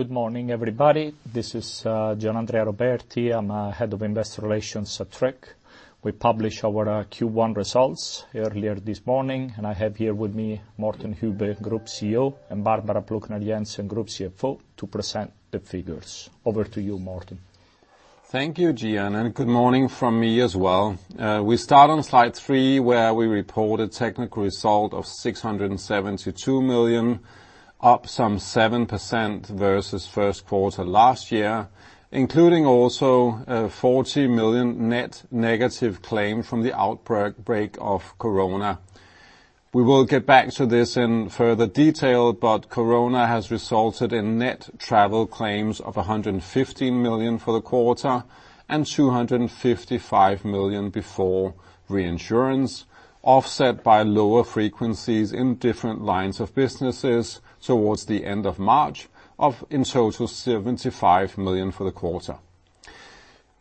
Good morning, everybody. This is Gianandrea Roberti. I'm the Head of Investor Relations at Tryg. We published our Q1 results earlier this morning, and I have here with me Morten Hübbe, Group CEO, and Barbara Plucnar Jensen, Group CFO, to present the figures. Over to you, Morten. Thank you, Gian. And good morning from me as well. We start on slide three, where we reported a technical result of 672 million, up some 7% versus first quarter last year, including also, 40 million net negative claims from the outbreak of corona. We will get back to this in further detail, but corona has resulted in net travel claims of 115 million for the quarter and 255 million before reinsurance, offset by lower frequencies in different lines of businesses towards the end of March, of in total 75 million for the quarter.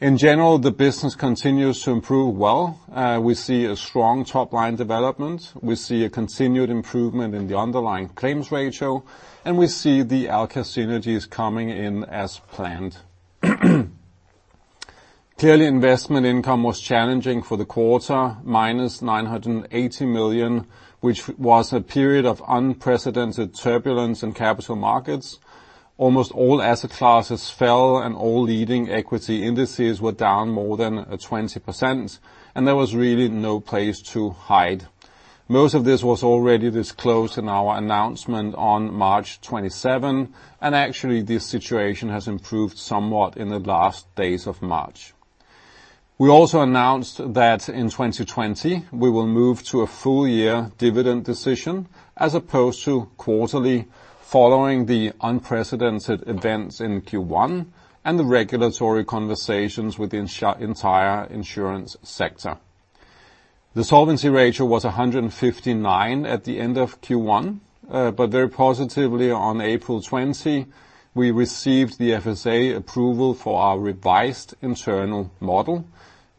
In general, the business continues to improve well. We see a strong top-line development. We see a continued improvement in the underlying claims ratio, and we see the Alka synergies coming in as planned. Clearly, investment income was challenging for the quarter, -980 million, which was a period of unprecedented turbulence in capital markets. Almost all asset classes fell, and all leading equity indices were down more than 20%, and there was really no place to hide. Most of this was already disclosed in our announcement on March 27, and actually, this situation has improved somewhat in the last days of March. We also announced that in 2020, we will move to a full-year dividend decision as opposed to quarterly, following the unprecedented events in Q1 and the regulatory conversations with the entire insurance sector. The solvency ratio was 159% at the end of Q1, but very positively on April 20, we received the FSA approval for our revised internal model,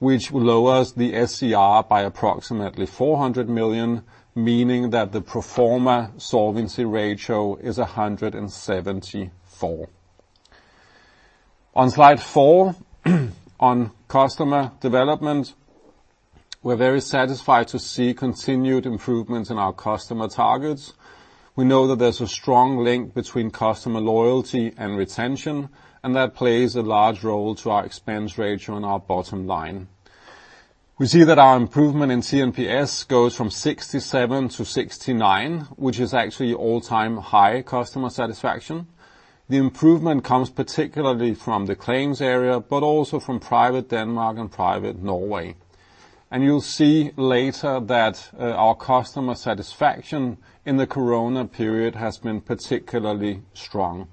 which lowers the SCR by approximately 400 million, meaning that the pro forma solvency ratio is 174%. On slide four, on customer development, we're very satisfied to see continued improvements in our customer targets. We know that there's a strong link between customer loyalty and retention, and that plays a large role in our expense ratio and our bottom line. We see that our improvement in TNPS goes from 67-69, which is actually all-time high customer satisfaction. The improvement comes particularly from the claims area, but also from Private Denmark and Private Norway. And you'll see later that, our customer satisfaction in the corona period has been particularly strong.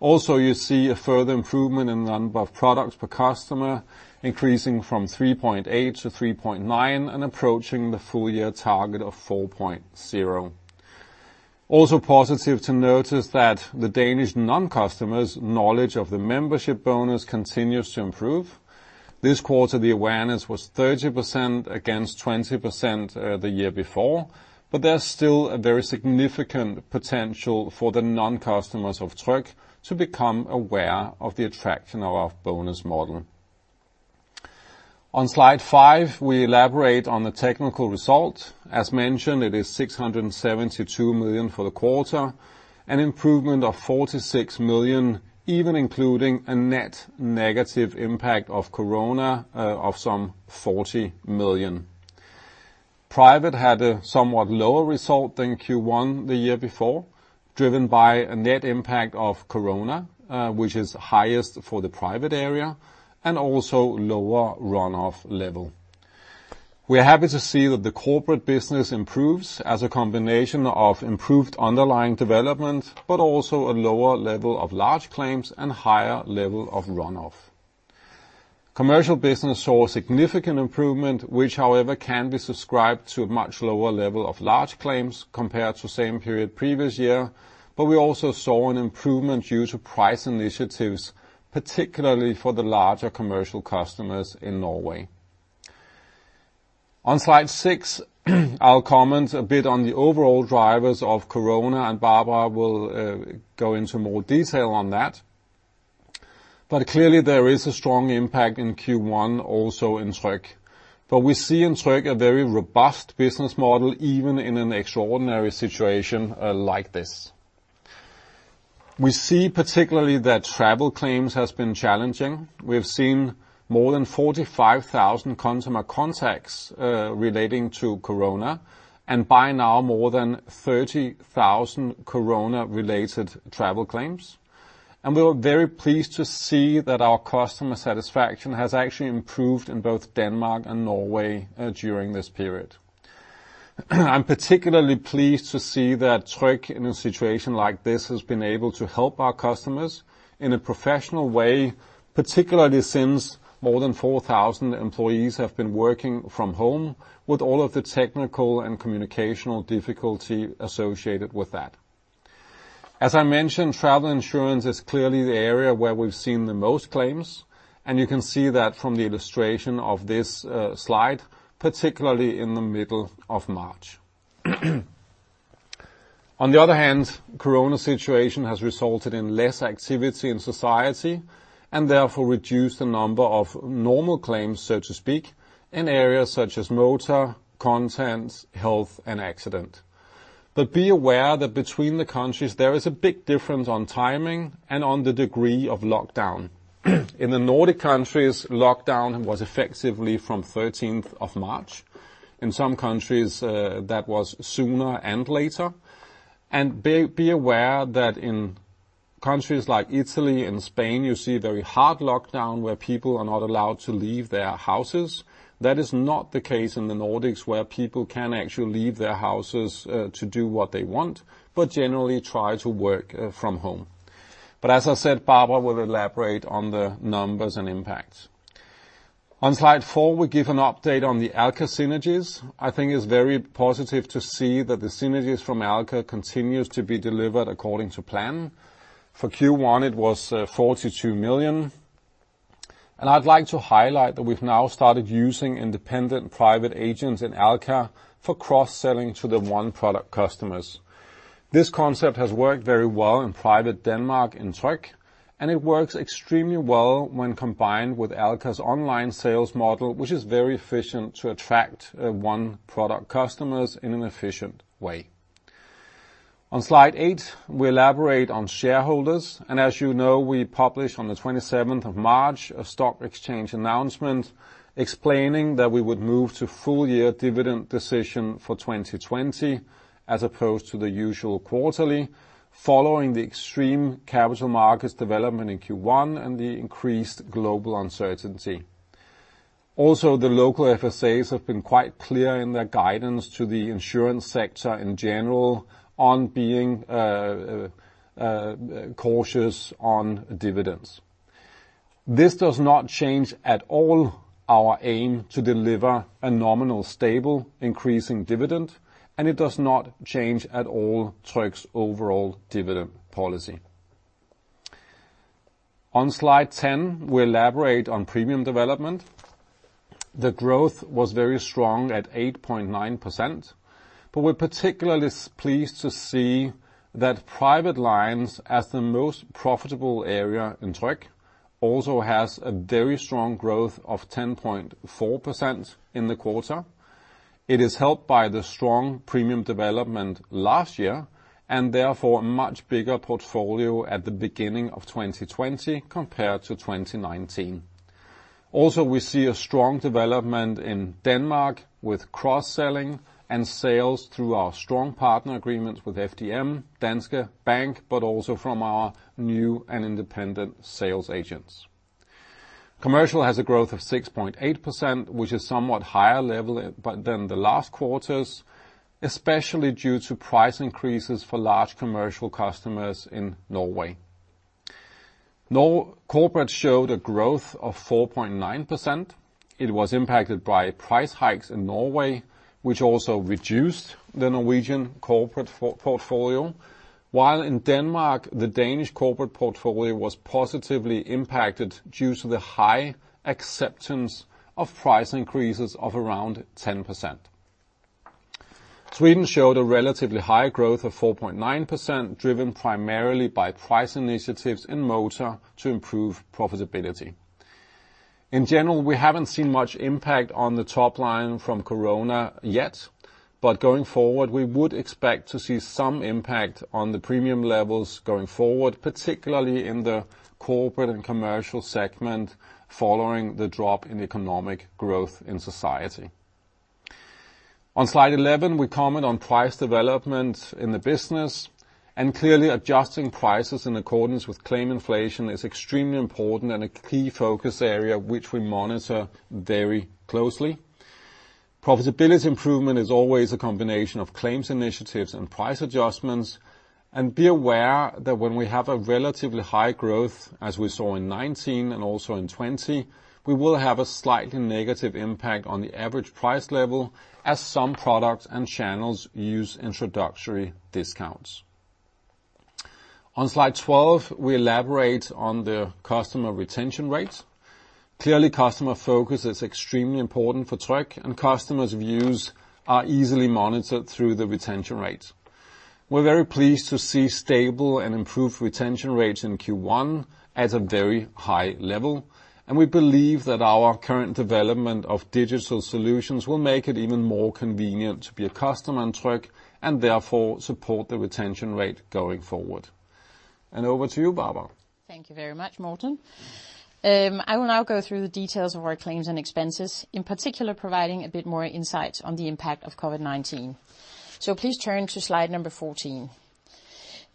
Also, you see a further improvement in the number of products per customer, increasing from 3.8-3.9 and approaching the full-year target of 4.0. Also positive to notice that the Danish non-customers' knowledge of the membership bonus continues to improve. This quarter, the awareness was 30% against 20%, the year before, but there's still a very significant potential for the non-customers of Tryg to become aware of the attraction of our bonus model. On slide five, we elaborate on the technical result. As mentioned, it is 672 million for the quarter, an improvement of 46 million, even including a net negative impact of corona, of some 40 million. Private had a somewhat lower result than Q1 the year before, driven by a net impact of corona, which is highest for the Private area, and also lower run-off level. We're happy to see that the Corporate business improves as a combination of improved underlying development, but also a lower level of large claims and higher level of run-off. Commercial business saw a significant improvement, which, however, can be attributed to a much lower level of large claims compared to the same period previous year, but we also saw an improvement due to price initiatives, particularly for the larger Commercial customers in Norway. On slide six, I'll comment a bit on the overall drivers of corona, and Barbara will go into more detail on that. But clearly, there is a strong impact in Q1, also in Tryg. But we see in Tryg a very robust business model, even in an extraordinary situation, like this. We see particularly that travel claims have been challenging. We've seen more than 45,000 consumer contacts, relating to corona, and by now, more than 30,000 corona-related travel claims. And we were very pleased to see that our customer satisfaction has actually improved in both Denmark and Norway, during this period. I'm particularly pleased to see that Tryg in a situation like this has been able to help our customers in a professional way, particularly since more than 4,000 employees have been working from home with all of the technical and communication difficulty associated with that. As I mentioned, travel insurance is clearly the area where we've seen the most claims, and you can see that from the illustration of this slide, particularly in the middle of March. On the other hand, the corona situation has resulted in less activity in society and therefore reduced the number of normal claims, so to speak, in areas such as motor, contents, health, and accident. But be aware that between the countries, there is a big difference on timing and on the degree of lockdown. In the Nordic countries, lockdown was effectively from the 13th of March. In some countries, that was sooner or later. Be aware that in countries like Italy and Spain, you see very hard lockdowns where people are not allowed to leave their houses. That is not the case in the Nordics, where people can actually leave their houses to do what they want, but generally try to work from home. But as I said, Barbara will elaborate on the numbers and impacts. On slide four, we give an update on the Alka synergies. I think it's very positive to see that the synergies from Alka continue to be delivered according to plan. For Q1, it was 42 million. And I'd like to highlight that we've now started using independent Private agents in Alka for cross-selling to the one-product customers. This concept has worked very well in Private Denmark and Tryg. And it works extremely well when combined with Alka's online sales model, which is very efficient to attract one-product customers in an efficient way. On slide eight, we elaborate on shareholders. As you know, we published on the 27th of March a stock exchange announcement explaining that we would move to full-year dividend decision for 2020 as opposed to the usual quarterly, following the extreme capital markets development in Q1 and the increased global uncertainty. Also, the local FSAs have been quite clear in their guidance to the insurance sector in general on being cautious on dividends. This does not change at all our aim to deliver a nominal stable increasing dividend, and it does not change at all Tryg's overall dividend policy. On slide 10, we elaborate on premium development. The growth was very strong at 8.9%, but we're particularly pleased to see that Private lines, as the most profitable area in Tryg, also has a very strong growth of 10.4% in the quarter. It is helped by the strong premium development last year and therefore a much bigger portfolio at the beginning of 2020 compared to 2019. Also, we see a strong development in Denmark with cross-selling and sales through our strong partner agreements with FDM, Danske Bank, but also from our new and independent sales agents. Commercial has a growth of 6.8%, which is somewhat higher level than the last quarters, especially due to price increases for large Commercial customers in Norway. Norway Corporate showed a growth of 4.9%. It was impacted by price hikes in Norway, which also reduced the Norwegian Corporate portfolio, while in Denmark, the Danish Corporate portfolio was positively impacted due to the high acceptance of price increases of around 10%. Sweden showed a relatively high growth of 4.9%, driven primarily by price initiatives in motor to improve profitability. In general, we haven't seen much impact on the top line from corona yet, but going forward, we would expect to see some impact on the premium levels going forward, particularly in the Corporate and Commercial segment following the drop in economic growth in society. On slide 11, we comment on price development in the business, and clearly adjusting prices in accordance with claim inflation is extremely important and a key focus area which we monitor very closely. Profitability improvement is always a combination of claims initiatives and price adjustments. Be aware that when we have a relatively high growth, as we saw in 2019 and also in 2020, we will have a slightly negative impact on the average price level as some products and channels use introductory discounts. On slide 12, we elaborate on the customer retention rate. Clearly, customer focus is extremely important for Tryg and customers' views are easily monitored through the retention rate. We're very pleased to see stable and improved retention rates in Q1 at a very high level, and we believe that our current development of digital solutions will make it even more convenient to be a customer in Tryg and therefore support the retention rate going forward. Over to you, Barbara. Thank you very much, Morten. I will now go through the details of our claims and expenses, in particular providing a bit more insight on the impact of COVID-19. So please turn to slide number 14.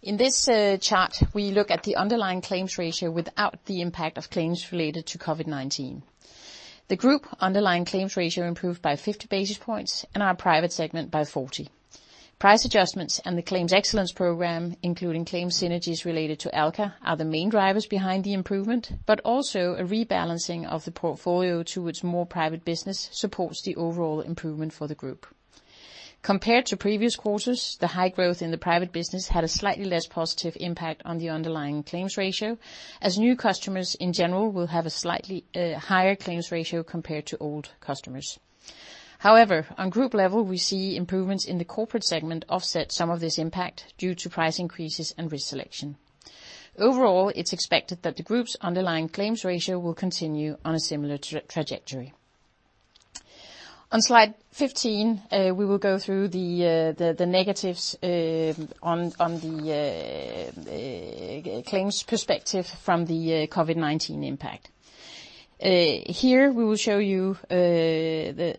In this chart, we look at the underlying claims ratio without the impact of claims related to COVID-19. The group underlying claims ratio improved by 50 basis points and our Private segment by 40. Price adjustments and the claims excellence program, including claims synergies related to Alka, are the main drivers behind the improvement, but also a rebalancing of the portfolio to its more Private business supports the overall improvement for the Group. Compared to previous quarters, the high growth in the Private business had a slightly less positive impact on the underlying claims ratio, as new customers in general will have a slightly higher claims ratio compared to old customers. However, on Group level, we see improvements in the Corporate segment offset some of this impact due to price increases and reselection. Overall, it's expected that the Group's underlying claims ratio will continue on a similar trajectory. On slide 15, we will go through the negatives on the claims perspective from the COVID-19 impact. Here we will show you the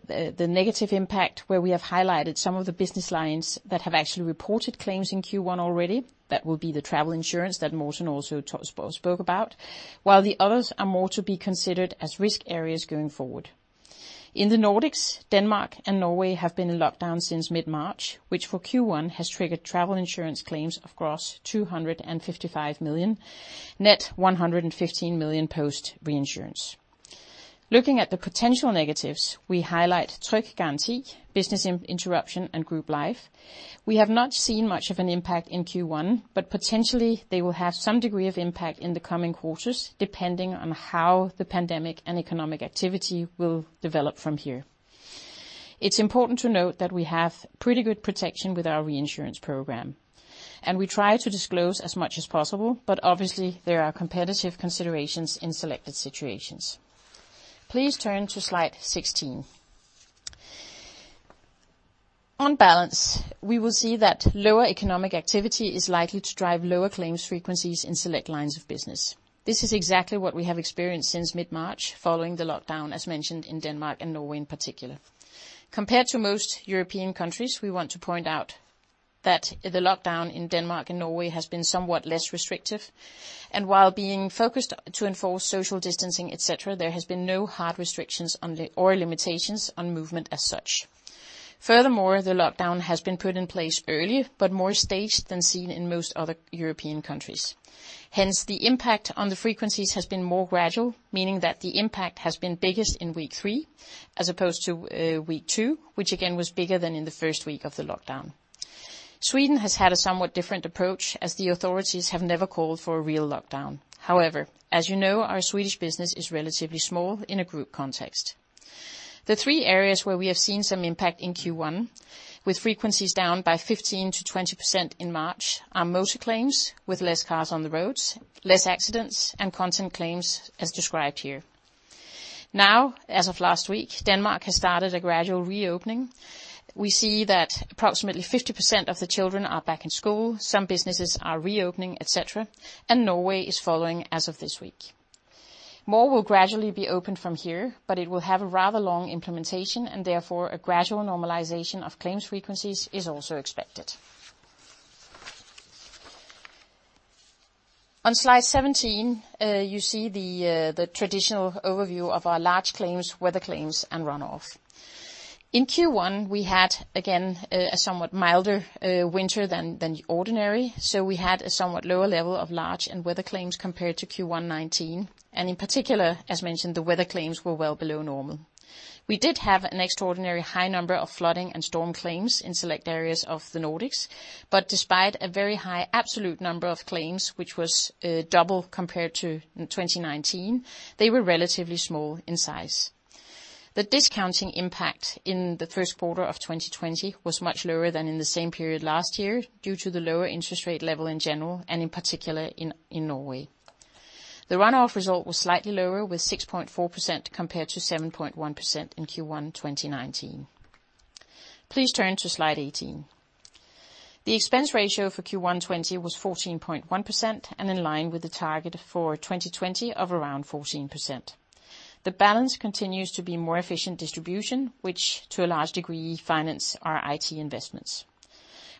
negative impact where we have highlighted some of the business lines that have actually reported claims in Q1 already. That would be the travel insurance that Morten also spoke about, while the others are more to be considered as risk areas going forward. In the Nordics, Denmark and Norway have been in lockdown since mid-March, which for Q1 has triggered travel insurance claims of gross 255 million, net 115 million post reinsurance. Looking at the potential negatives, we highlight Tryg Garanti, business interruption, and group life. We have not seen much of an impact in Q1, but potentially they will have some degree of impact in the coming quarters depending on how the pandemic and economic activity will develop from here. It's important to note that we have pretty good protection with our reinsurance program, and we try to disclose as much as possible, but obviously there are competitive considerations in selected situations. Please turn to slide 16. On balance, we will see that lower economic activity is likely to drive lower claims frequencies in select lines of business. This is exactly what we have experienced since mid-March following the lockdown, as mentioned in Denmark and Norway in particular. Compared to most European countries, we want to point out that the lockdown in Denmark and Norway has been somewhat less restrictive, and while being focused to enforce social distancing, etc., there has been no hard restrictions, or limitations, on movement as such. Furthermore, the lockdown has been put in place earlier, but more staged than seen in most other European countries. Hence, the impact on the frequencies has been more gradual, meaning that the impact has been biggest in week three as opposed to week two, which again was bigger than in the first week of the lockdown. Sweden has had a somewhat different approach as the authorities have never called for a real lockdown. However, as you know, our Swedish business is relatively small in a group context. The three areas where we have seen some impact in Q1, with frequencies down by 15%-20% in March, are motor claims with less cars on the roads, less accidents, and content claims as described here. Now, as of last week, Denmark has started a gradual reopening. We see that approximately 50% of the children are back in school, some businesses are reopening, etc., and Norway is following as of this week. More will gradually be opened from here, but it will have a rather long implementation, and therefore a gradual normalization of claims frequencies is also expected. On slide 17, you see the traditional overview of our large claims, weather claims, and run-off. In Q1, we had again a somewhat milder winter than ordinary, so we had a somewhat lower level of large and weather claims compared to Q1 2019. In particular, as mentioned, the weather claims were well below normal. We did have an extraordinary high number of flooding and storm claims in select areas of the Nordics, but despite a very high absolute number of claims, which was double compared to 2019, they were relatively small in size. The discounting impact in the first quarter of 2020 was much lower than in the same period last year due to the lower interest rate level in general and in particular in Norway. The run-off result was slightly lower with 6.4% compared to 7.1% in Q1 2019. Please turn to slide 18. The expense ratio for Q1 2020 was 14.1% and in line with the target for 2020 of around 14%. The balance continues to be more efficient distribution, which to a large degree finances our IT investments.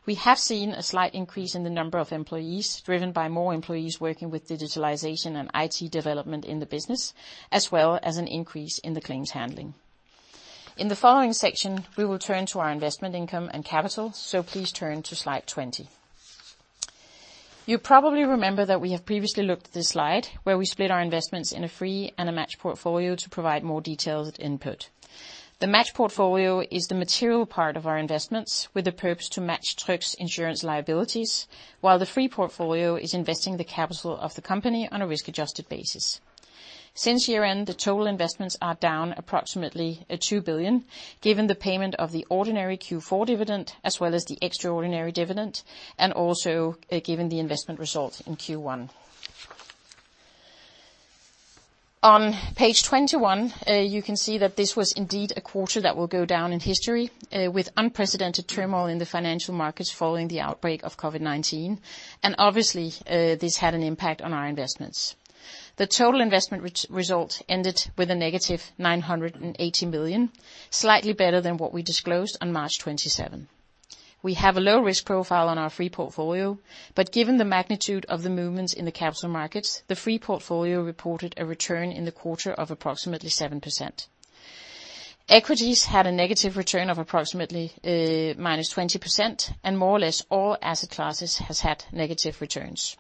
We have seen a slight increase in the number of employees driven by more employees working with digitalization and IT development in the business, as well as an increase in the claims handling. In the following section, we will turn to our investment income and capital, so please turn to slide 20. You probably remember that we have previously looked at this slide where we split our investments in a free and a match portfolio to provide more detailed input. The match portfolio is the material part of our investments with the purpose to match Tryg's insurance liabilities, while the free portfolio is investing the capital of the company on a risk-adjusted basis. Since year-end, the total investments are down approximately 2 billion, given the payment of the ordinary Q4 dividend as well as the extraordinary dividend, and also given the investment result in Q1. On page 21, you can see that this was indeed a quarter that will go down in history, with unprecedented turmoil in the financial markets following the outbreak of COVID-19. Obviously, this had an impact on our investments. The total investment result ended with a negative -980 million, slightly better than what we disclosed on March 27. We have a low risk profile on our free portfolio, but given the magnitude of the movements in the capital markets, the free portfolio reported a return in the quarter of approximately 7%. Equities had a negative return of approximately, -20%, and more or less all asset classes have had negative returns.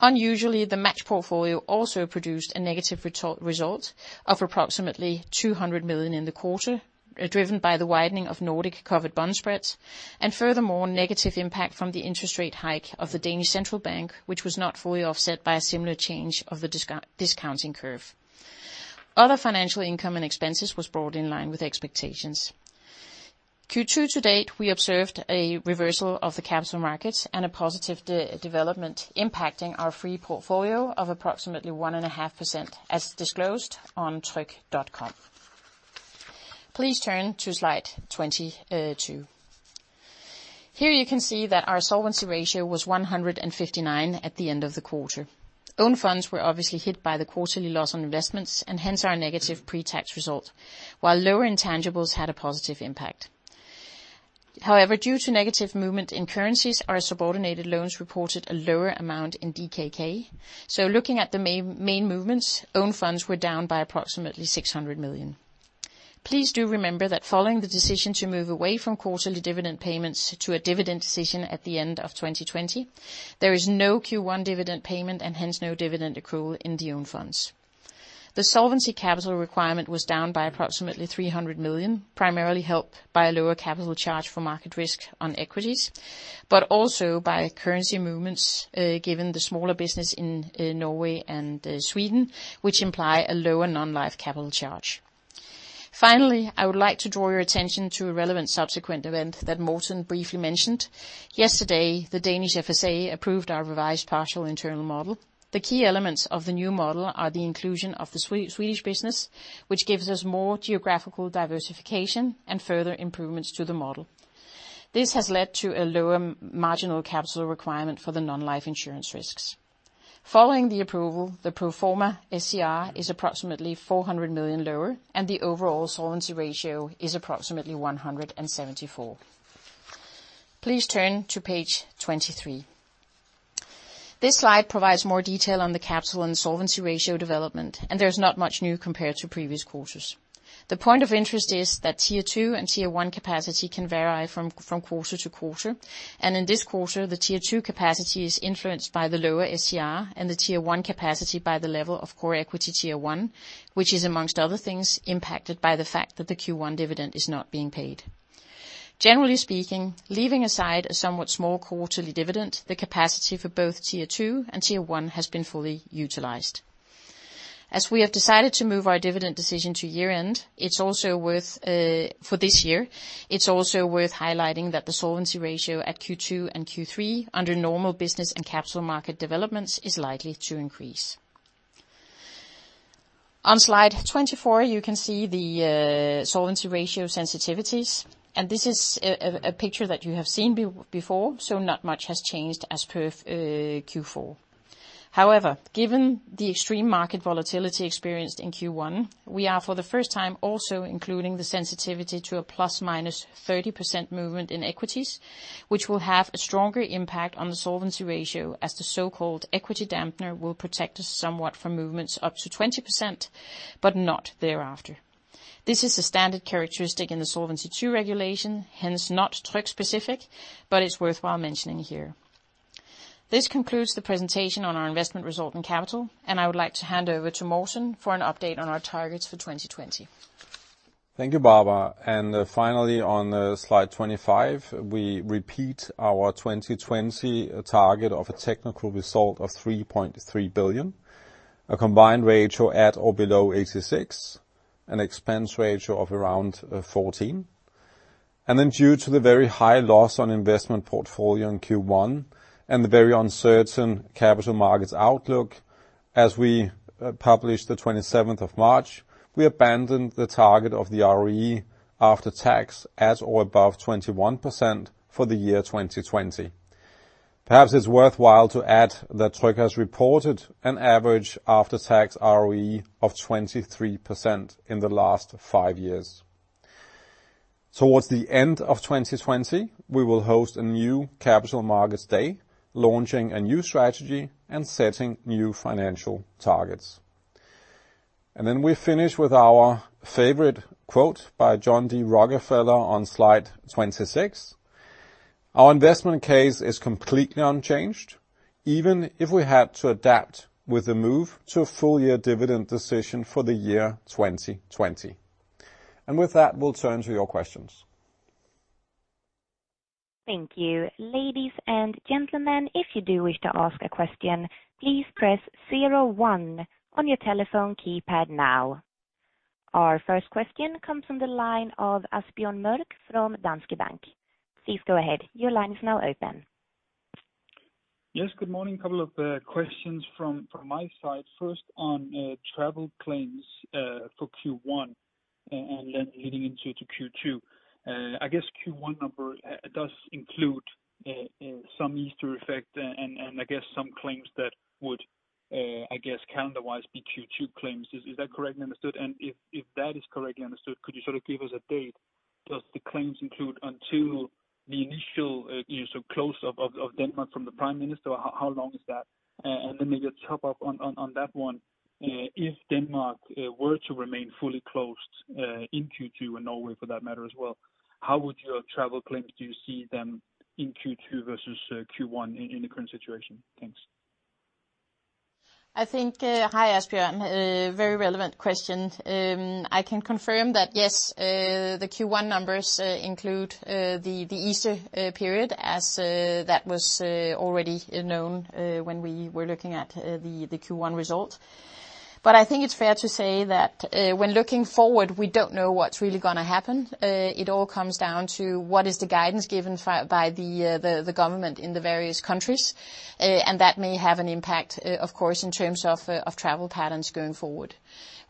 Unusually, the match portfolio also produced a negative result of approximately -200 million in the quarter, driven by the widening of Nordic covered bond spreads and furthermore negative impact from the interest rate hike of the Danish central bank, which was not fully offset by a similar change of the discounting curve. Other financial income and expenses were brought in line with expectations. Q2 to date, we observed a reversal of the capital markets and a positive development impacting our free portfolio of approximately 1.5%, as disclosed on tryg.com. Please turn to slide 22. Here you can see that our solvency ratio was 159 at the end of the quarter. Own funds were obviously hit by the quarterly loss on investments and hence our negative pre-tax result, while lower intangibles had a positive impact. However, due to negative movement in currencies, our subordinated loans reported a lower amount in DKK. So looking at the main movements, own funds were down by approximately 600 million. Please do remember that following the decision to move away from quarterly dividend payments to a dividend decision at the end of 2020, there is no Q1 dividend payment and hence no dividend accrual in the own funds. The solvency capital requirement was down by approximately 300 million, primarily helped by a lower capital charge for market risk on equities, but also by currency movements, given the smaller business in Norway and Sweden, which imply a lower non-life capital charge. Finally, I would like to draw your attention to a relevant subsequent event that Morten briefly mentioned. Yesterday, the Danish FSA approved our revised partial internal model. The key elements of the new model are the inclusion of the Swedish business, which gives us more geographical diversification and further improvements to the model. This has led to a lower marginal capital requirement for the non-life insurance risks. Following the approval, the pro forma SCR is approximately 400 million lower, and the overall solvency ratio is approximately 174%. Please turn to page 23. This slide provides more detail on the capital and solvency ratio development, and there's not much new compared to previous quarters. The point of interest is that Tier 2 and Tier 1 capacity can vary from quarter to quarter, and in this quarter, the Tier 2 capacity is influenced by the lower SCR and the Tier 1 capacity by the level of core equity Tier 1, which is, among other things, impacted by the fact that the Q1 dividend is not being paid. Generally speaking, leaving aside a somewhat small quarterly dividend, the capacity for both Tier 2 and Tier 1 has been fully utilized. As we have decided to move our dividend decision to year-end, it's also worth highlighting that the solvency ratio at Q2 and Q3 under normal business and capital market developments is likely to increase. On slide 24, you can see the Solvency Ratio sensitivities, and this is a picture that you have seen before, so not much has changed as per Q4. However, given the extreme market volatility experienced in Q1, we are, for the first time, also including the sensitivity to a plus-minus 30% movement in equities, which will have a stronger impact on the solvency ratio as the so-called equity dampener will protect us somewhat from movements up to 20%, but not thereafter. This is a standard characteristic in the Solvency II regulation, hence not Tryg specific, but it's worthwhile mentioning here. This concludes the presentation on our investment result in capital, and I would like to hand over to Morten for an update on our targets for 2020. Thank you, Barbara. And finally, on slide 25, we repeat our 2020 target of a technical result of 3.3 billion, a combined ratio at or below 86%, an expense ratio of around 14%. And then, due to the very high loss on investment portfolio in Q1 and the very uncertain capital markets outlook, as we published the 27th of March, we abandoned the target of the ROE after tax at or above 21% for the year 2020. Perhaps it's worthwhile to add that Tryg has reported an average after-tax ROE of 23% in the last five years. Towards the end of 2020, we will host a new Capital Markets Day, launching a new strategy and setting new financial targets. And then we finish with our favorite quote by John D. Rockefeller on slide 26. Our investment case is completely unchanged, even if we had to adapt with the move to a full-year dividend decision for the year 2020. And with that, we'll turn to your questions. Thank you. Ladies and gentlemen, if you do wish to ask a question, please press 01 on your telephone keypad now. Our first question comes from the line of Asbjørn Mørk from Danske Bank. Please go ahead. Your line is now open. Yes, good morning. A couple of questions from my side. First on travel claims for Q1, and then leading into Q2. I guess Q1 number does include some Easter effect and I guess some claims that would I guess calendar-wise be Q2 claims. Is that correctly understood? And if that is correctly understood, could you sort of give us a date? Do the claims include until the initial, you know, so closure of Denmark from the Prime Minister? How long is that? And then maybe a top-up on that one. If Denmark were to remain fully closed in Q2 and Norway for that matter as well, how would your travel claims do you see them in Q2 versus Q1 in the current situation? Thanks. I think, hi, Asbjørn. Very relevant question. I can confirm that yes, the Q1 numbers include the Easter period as that was already known when we were looking at the Q1 result. But I think it's fair to say that, when looking forward, we don't know what's really gonna happen. It all comes down to what is the guidance given by the government in the various countries, and that may have an impact, of course, in terms of travel patterns going forward.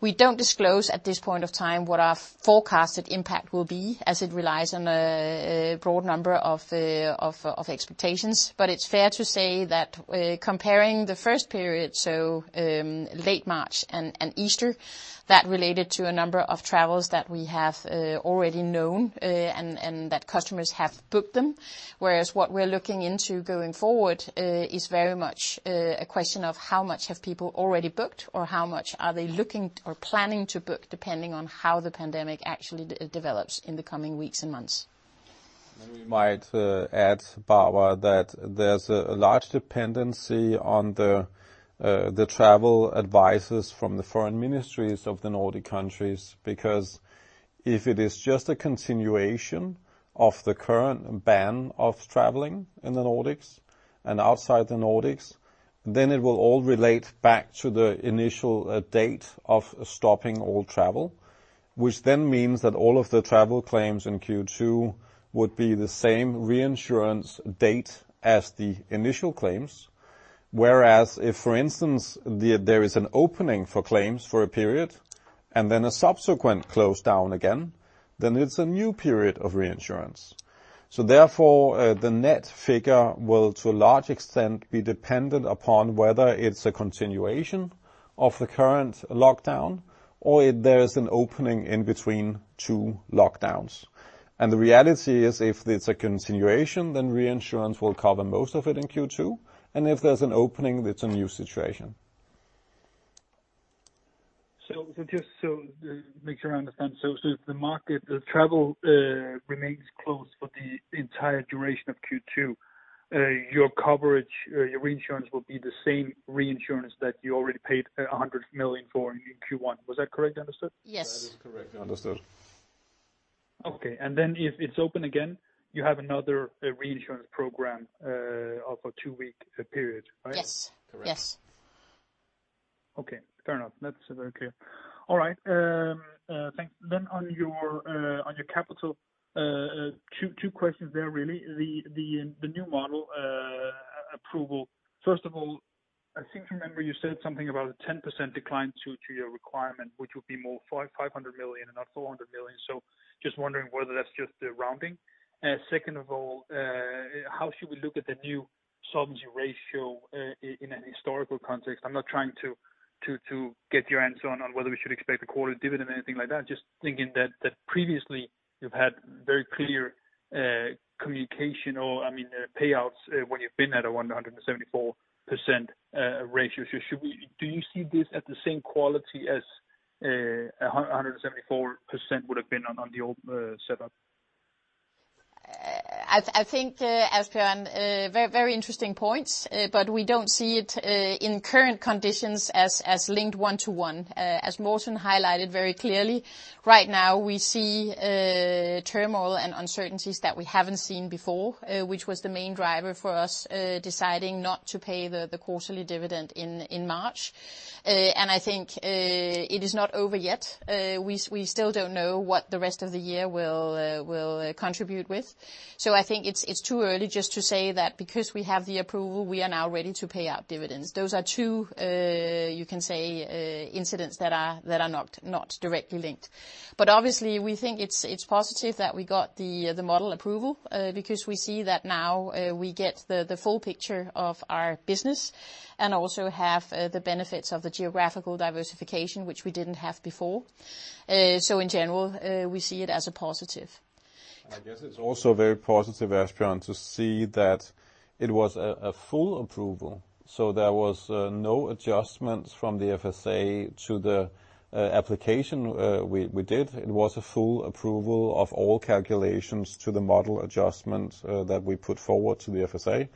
We don't disclose at this point of time what our forecasted impact will be as it relies on a broad number of expectations. But it's fair to say that, comparing the first period, so late March and Easter, that related to a number of travels that we have already known, and that customers have booked them. Whereas what we're looking into going forward is very much a question of how much have people already booked or how much are they looking or planning to book depending on how the pandemic actually de-develops in the coming weeks and months. And then we might add, Barbara, that there's a large dependency on the travel advices from the foreign ministries of the Nordic countries because if it is just a continuation of the current ban of traveling in the Nordics and outside the Nordics, then it will all relate back to the initial date of stopping all travel, which then means that all of the travel claims in Q2 would be the same reinsurance date as the initial claims. Whereas if, for instance, there is an opening for claims for a period and then a subsequent close down again, then it's a new period of reinsurance. So therefore, the net figure will, to a large extent, be dependent upon whether it's a continuation of the current lockdown or if there's an opening in between two lockdowns. And the reality is if it's a continuation, then reinsurance will cover most of it in Q2. And if there's an opening, it's a new situation. So just to make sure I understand, if the market, the travel, remains closed for the entire duration of Q2, your coverage, your reinsurance will be the same reinsurance that you already paid 100 million for in Q1. Was that correctly understood? Yes. That is correctly understood. Okay. And then if it's open again, you have another reinsurance program of a two-week period, right? Yes. Correct. Yes. Okay. Fair enough. That's very clear. All right. Thanks. Then on your capital, two questions there really. The new model approval, first of all, I seem to remember you said something about a 10% decline to your requirement, which would be more 500 million and not 400 million. So just wondering whether that's just the rounding. And second of all, how should we look at the new solvency ratio in a historical context? I'm not trying to get your answer on whether we should expect a quarterly dividend or anything like that. Just thinking that previously you've had very clear communication or, I mean, payouts, when you've been at a 174% ratio. So should we, do you see this at the same quality as 174% would have been on the old setup? I think, Asbjørn, very interesting points, but we don't see it in current conditions as linked one to one. As Morten highlighted very clearly, right now we see turmoil and uncertainties that we haven't seen before, which was the main driver for us deciding not to pay the quarterly dividend in March. I think it is not over yet. We still don't know what the rest of the year will contribute with. I think it's too early just to say that because we have the approval, we are now ready to pay out dividends. Those are two, you can say, incidents that are not directly linked. Obviously, we think it's positive that we got the model approval, because we see that now we get the full picture of our business and also have the benefits of the geographical diversification, which we didn't have before. In general, we see it as a positive. And I guess it's also very positive, Asbjørn, to see that it was a full approval. So there was no adjustments from the FSA to the application we did. It was a full approval of all calculations to the model adjustments that we put forward to the FSA.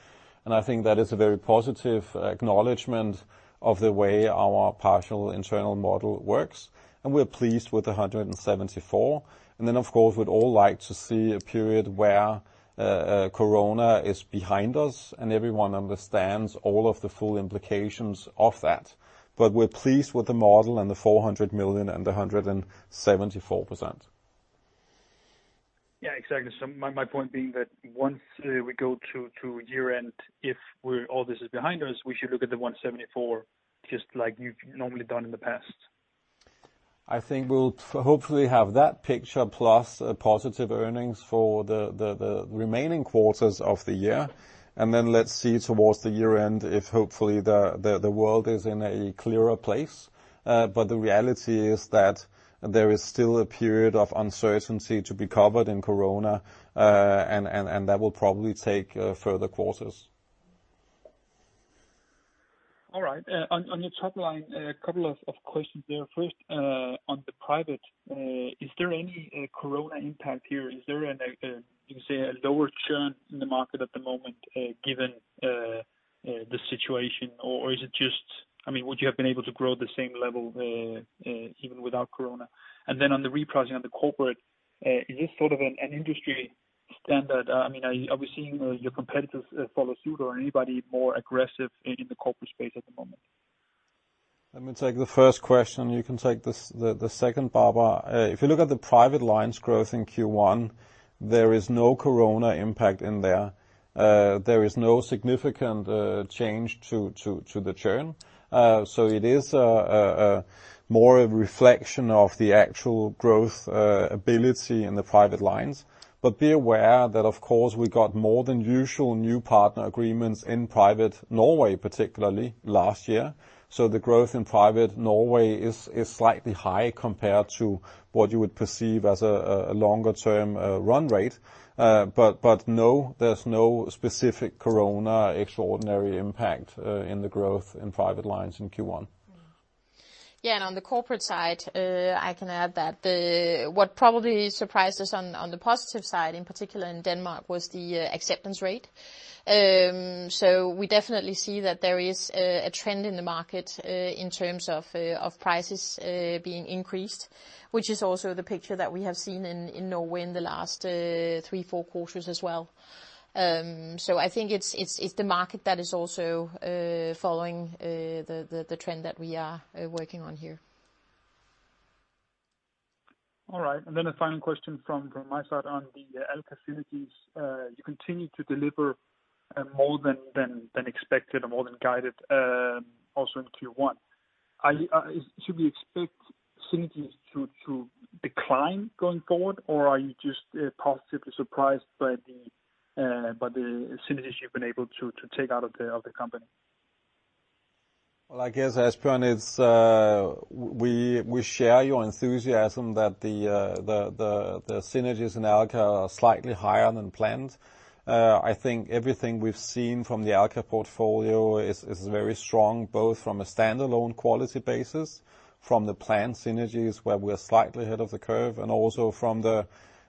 And I think that is a very positive acknowledgement of the way our partial internal model works. And we're pleased with 174. And then, of course, we'd all like to see a period where corona is behind us and everyone understands all of the full implications of that. But we're pleased with the model and the 400 million and the 174%. Yeah, exactly. So my point being that once we go to year-end, if all this is behind us, we should look at the 174 just like you've normally done in the past. I think we'll hopefully have that picture plus positive earnings for the remaining quarters of the year. And then let's see towards the year-end if hopefully the world is in a clearer place, but the reality is that there is still a period of uncertainty to be covered in corona, and that will probably take further quarters. All right. On your top line, a couple of questions there. First, on the Private, is there any corona impact here? Is there, you can say, a lower churn in the market at the moment, given the situation? Or is it just, I mean, would you have been able to grow at the same level, even without corona? And then on the repricing on the Corporate, is this sort of an industry standard? I mean, are we seeing your competitors follow suit or anybody more aggressive in the Corporate space at the moment? Let me take the first question. You can take the second, Barbara. If you look at the Private lines growth in Q1, there is no corona impact in there. There is no significant change to the churn. So it is more of a reflection of the actual growth ability in the Private lines. But be aware that, of course, we got more than usual new partner agreements in Private Norway, particularly last year. So the growth in Private Norway is slightly high compared to what you would perceive as a longer-term run rate. But no, there's no specific corona extraordinary impact in the growth in Private lines in Q1. Yeah. On the Corporate side, I can add that what probably surprised us on the positive side, in particular in Denmark, was the acceptance rate. So we definitely see that there is a trend in the market in terms of prices being increased, which is also the picture that we have seen in Norway in the last three, four quarters as well. I think it's the market that is also following the trend that we are working on here. All right. Then a final question from my side on the Alka synergies. You continue to deliver more than expected or more than guided, also in Q1. Should we expect synergies to decline going forward, or are you just positively surprised by the synergies you've been able to take out of the company? Well, I guess, Asbjørn, we share your enthusiasm that the synergies in Alka are slightly higher than planned. I think everything we've seen from the Alka portfolio is very strong both from a standalone quality basis, from the planned synergies where we are slightly ahead of the curve, and also from the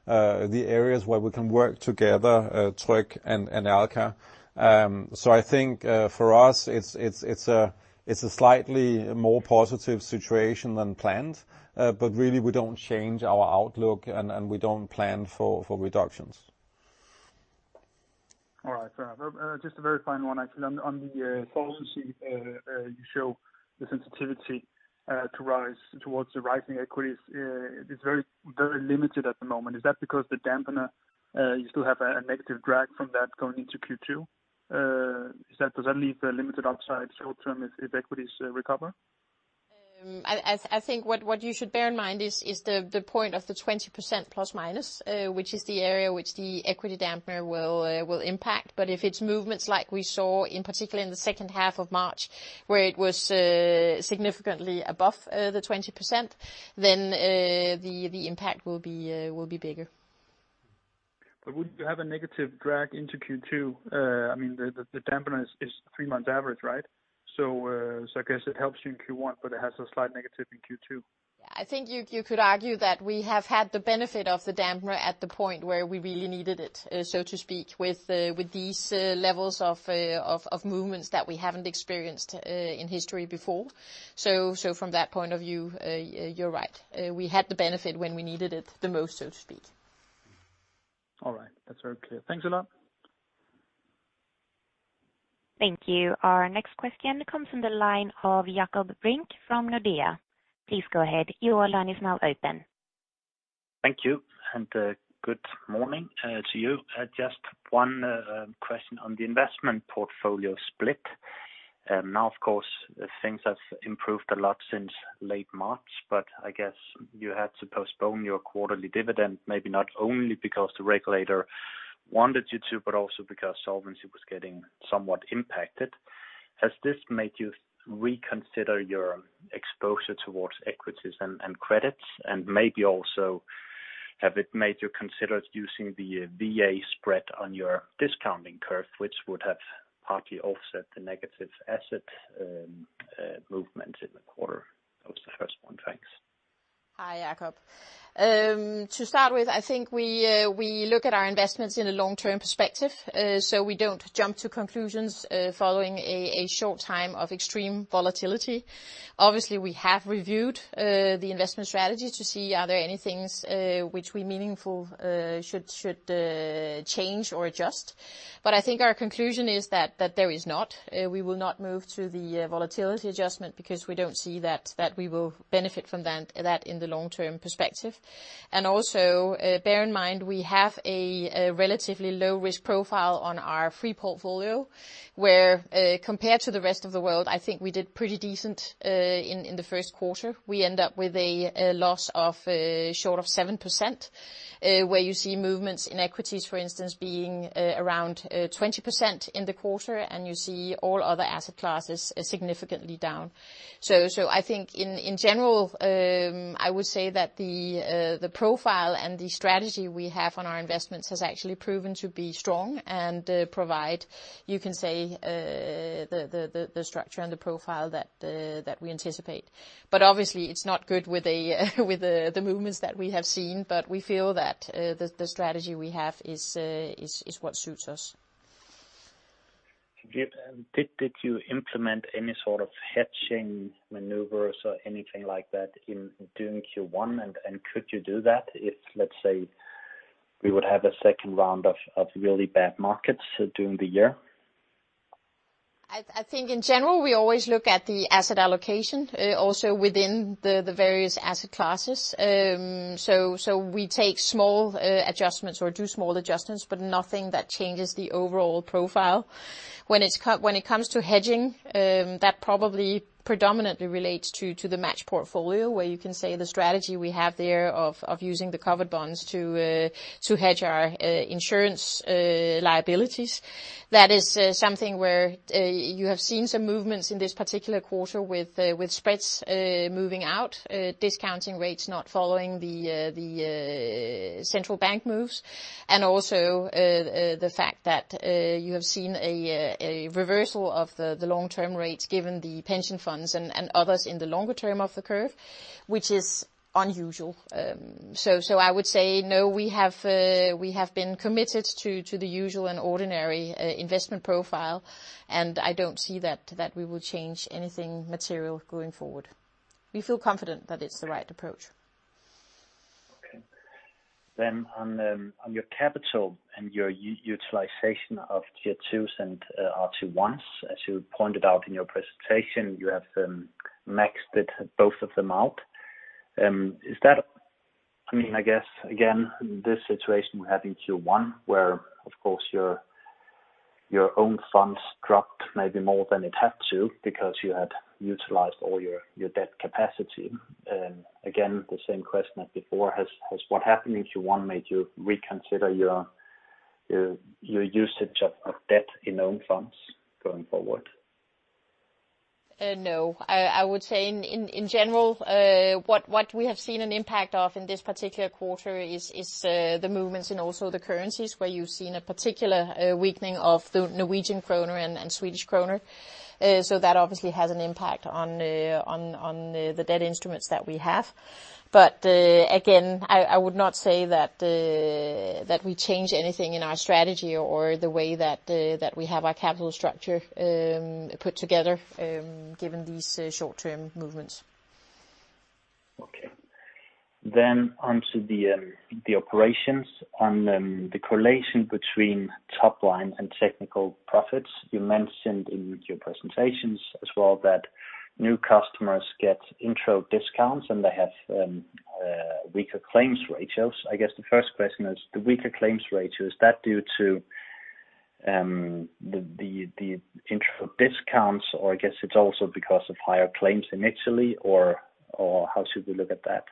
areas where we can work together, Tryg and Alka. So I think, for us, it's a slightly more positive situation than planned. But really, we don't change our outlook and we don't plan for reductions. All right. Fair enough. Just a very final one, actually. On the solvency, you show the sensitivity to rise towards the rising equities, it's very limited at the moment. Is that because the dampener, you still have a negative drag from that going into Q2? Is that, does that leave a limited upside short-term if equities recover? I think what you should bear in mind is the point of the 20% plus-minus, which is the area which the equity dampener will impact. But if it's movements like we saw in particular in the second half of March where it was significantly above the 20%, then the impact will be bigger. But wouldn't you have a negative drag into Q2? I mean, the dampener is three months average, right? So I guess it helps you in Q1, but it has a slight negative in Q2. Yeah. I think you could argue that we have had the benefit of the dampener at the point where we really needed it, so to speak, with these levels of movements that we haven't experienced in history before. So from that point of view, you're right. We had the benefit when we needed it the most, so to speak. All right. That's very clear. Thanks a lot. Thank you. Our next question comes from the line of Jakob Brink from Nordea. Please go ahead. Your line is now open. Thank you. And good morning to you. Just one question on the investment portfolio split. Now, of course, things have improved a lot since late March, but I guess you had to postpone your quarterly dividend, maybe not only because the regulator wanted you to, but also because solvency was getting somewhat impacted. Has this made you reconsider your exposure towards equities and credits? And maybe also, has it made you consider using the VA spread on your discounting curve, which would have partly offset the negative asset movement in the quarter? That was the first one. Thanks. Hi, Jakob. To start with, I think we look at our investments in a long-term perspective, so we don't jump to conclusions following a short time of extreme volatility. Obviously, we have reviewed the investment strategy to see are there any things which would be meaningful should change or adjust. But I think our conclusion is that there is not. We will not move to the volatility adjustment because we don't see that we will benefit from that in the long-term perspective. And also, bear in mind we have a relatively low-risk profile on our free portfolio where, compared to the rest of the world, I think we did pretty decent in the first quarter. We end up with a loss of short of 7%, where you see movements in equities, for instance, being around 20% in the quarter, and you see all other asset classes significantly down. So I think in general, I would say that the profile and the strategy we have on our investments has actually proven to be strong and provide, you can say, the structure and the profile that we anticipate. But obviously, it's not good with the movements that we have seen, but we feel that the strategy we have is what suits us. Did you implement any sort of hedging maneuvers or anything like that in Q1? And could you do that if, let's say, we would have a second round of really bad markets during the year? I think in general, we always look at the asset allocation, also within the various asset classes. So we take small adjustments or do small adjustments, but nothing that changes the overall profile. When it comes to hedging, that probably predominantly relates to the match portfolio where you can say the strategy we have there of using the covered bonds to hedge our insurance liabilities. That is, something where you have seen some movements in this particular quarter with spreads moving out, discounting rates not following the central bank moves. And also, the fact that you have seen a reversal of the long-term rates given the pension funds and others in the longer term of the curve, which is unusual. So I would say no, we have been committed to the usual and ordinary investment profile. And I don't see that we will change anything material going forward. We feel confident that it's the right approach. Okay. Then on your capital and your utilization of Tier 2s and Tier 1s, as you pointed out in your presentation, you have maxed out both of them. Is that, I mean, I guess, again, this situation we have in Q1 where, of course, your own funds dropped maybe more than it had to because you had utilized all your debt capacity. Again, the same question as before: has what happened in Q1 made you reconsider your usage of debt in own funds going forward? No. I would say in general what we have seen an impact of in this particular quarter is the movements in also the currencies where you've seen a particular weakening of the Norwegian kroner and Swedish kroner. So that obviously has an impact on the debt instruments that we have. Again, I would not say that we changed anything in our strategy or the way that we have our capital structure put together, given these short-term movements. Okay. Then onto the operations on the correlation between top line and technical profits. You mentioned in your presentations as well that new customers get intro discounts and they have weaker claims ratios. I guess the first question is the weaker claims ratio. Is that due to the intro discounts or I guess it's also because of higher claims initially or how should we look at that?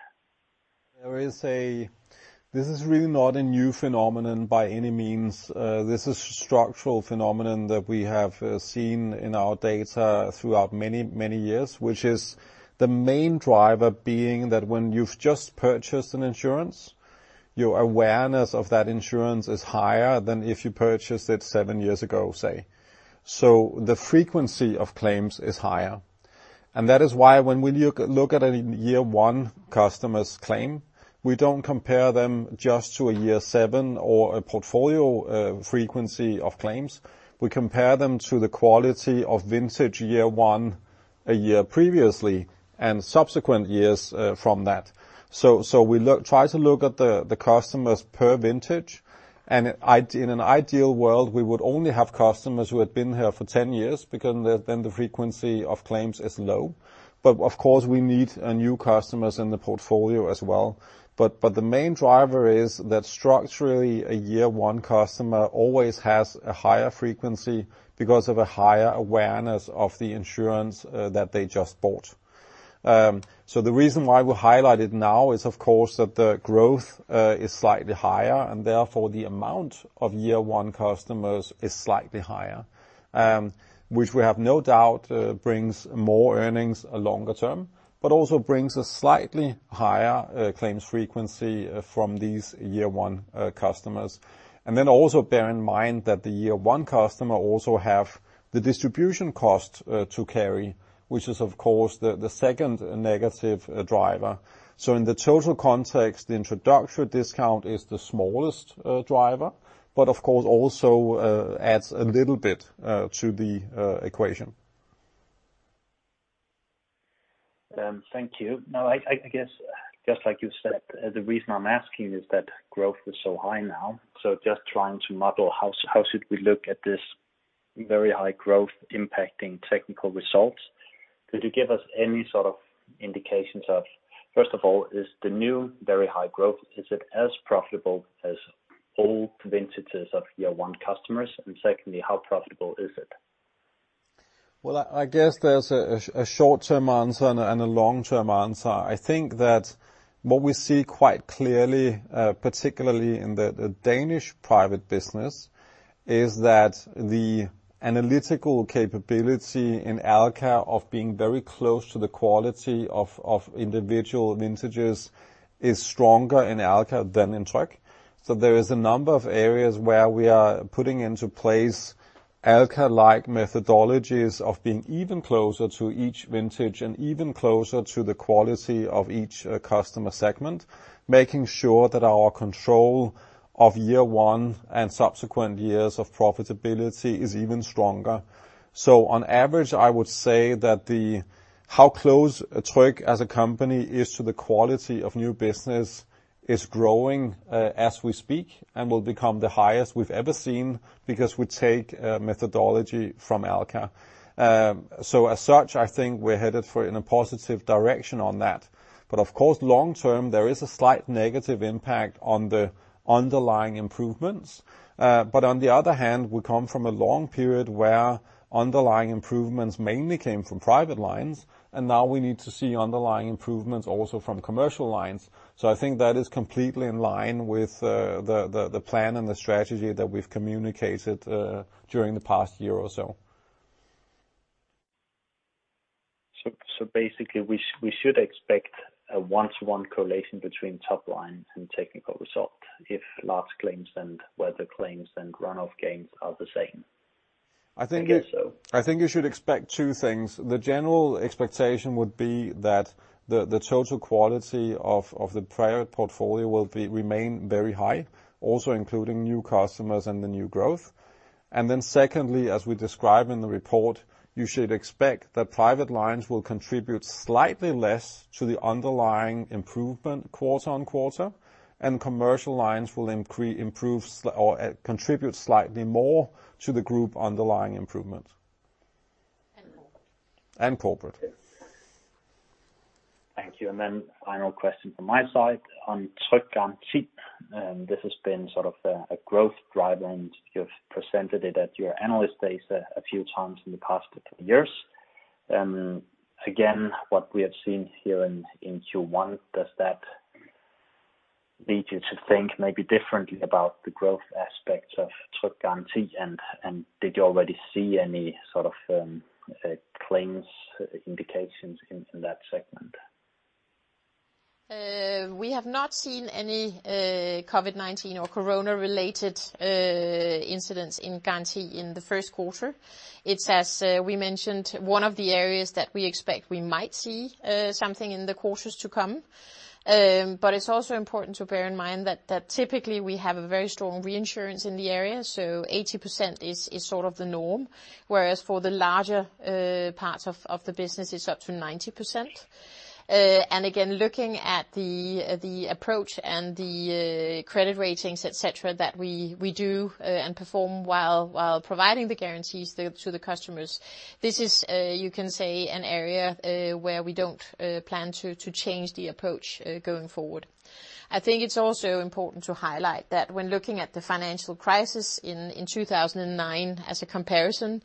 This is really not a new phenomenon by any means. This is a structural phenomenon that we have seen in our data throughout many, many years, which is the main driver being that when you've just purchased an insurance, your awareness of that insurance is higher than if you purchased it seven years ago, say, so the frequency of claims is higher, and that is why when we look at a year one customer's claim, we don't compare them just to a year seven or a portfolio frequency of claims. We compare them to the quality of vintage year one a year previously, and subsequent years from that, so we try to look at the customers per vintage, and in an ideal world, we would only have customers who had been here for 10 years because then the frequency of claims is low, but of course, we need new customers in the portfolio as well. But the main driver is that structurally, a year one customer always has a higher frequency because of a higher awareness of the insurance that they just bought. So the reason why we highlight it now is, of course, that the growth is slightly higher and therefore the amount of year one customers is slightly higher, which we have no doubt brings more earnings longer term, but also brings a slightly higher claims frequency from these year one customers, and then also bear in mind that the year one customer also have the distribution cost to carry, which is, of course, the second negative driver, so in the total context, the introductory discount is the smallest driver, but of course also adds a little bit to the equation. Thank you. Now, I guess just like you said, the reason I'm asking is that growth is so high now. Just trying to model how we should look at this very high growth impacting technical results? Could you give us any sort of indications of, first of all, is the new very high growth, is it as profitable as old vintages of year one customers? And secondly, how profitable is it? I guess there's a short-term answer and a long-term answer. I think that what we see quite clearly, particularly in the Danish Private business, is that the analytical capability in Alka of being very close to the quality of individual vintages is stronger in Alka than in Tryg. So there is a number of areas where we are putting into place Alka-like methodologies of being even closer to each vintage and even closer to the quality of each customer segment, making sure that our control of year one and subsequent years of profitability is even stronger. So on average, I would say that the how close Tryg as a company is to the quality of new business is growing, as we speak and will become the highest we've ever seen because we take methodology from Alka. So as such, I think we're headed in a positive direction on that. But of course, long-term, there is a slight negative impact on the underlying improvements. But on the other hand, we come from a long period where underlying improvements mainly came from Private lines, and now we need to see underlying improvements also from Commercial lines. So I think that is completely in line with the plan and the strategy that we've communicated during the past year or so. So basically, we should expect a one-to-one correlation between top line and technical result if large claims and weather claims and run-off gains are the same. I think you should expect two things. The general expectation would be that the total quality of the Private portfolio will remain very high, also including new customers and the new growth. And then secondly, as we describe in the report, you should expect that Private lines will contribute slightly less to the underlying improvement quarter-on-quarter, and Commercial lines will improve or contribute slightly more to the group underlying improvement. And Corporate. Thank you. And then final question from my side on Tryg Garanti This has been sort of a growth driver, and you've presented it at your analyst days a few times in the past couple of years. Again, what we have seen here in Q1, does that lead you to think maybe differently about the growth aspects of Tryg Garanti? And did you already see any sort of claims indications in that segment? We have not seen any COVID-19 or corona-related incidents in Garanti in the first quarter. It's as we mentioned, one of the areas that we expect we might see something in the quarters to come. But it's also important to bear in mind that typically we have a very strong reinsurance in the area. So 80% is sort of the norm, whereas for the larger parts of the business, it's up to 90%. And again, looking at the approach and the credit ratings, etc., that we do and perform while providing the guarantees to the customers, this is, you can say, an area where we don't plan to change the approach, going forward. I think it's also important to highlight that when looking at the financial crisis in 2009 as a comparison,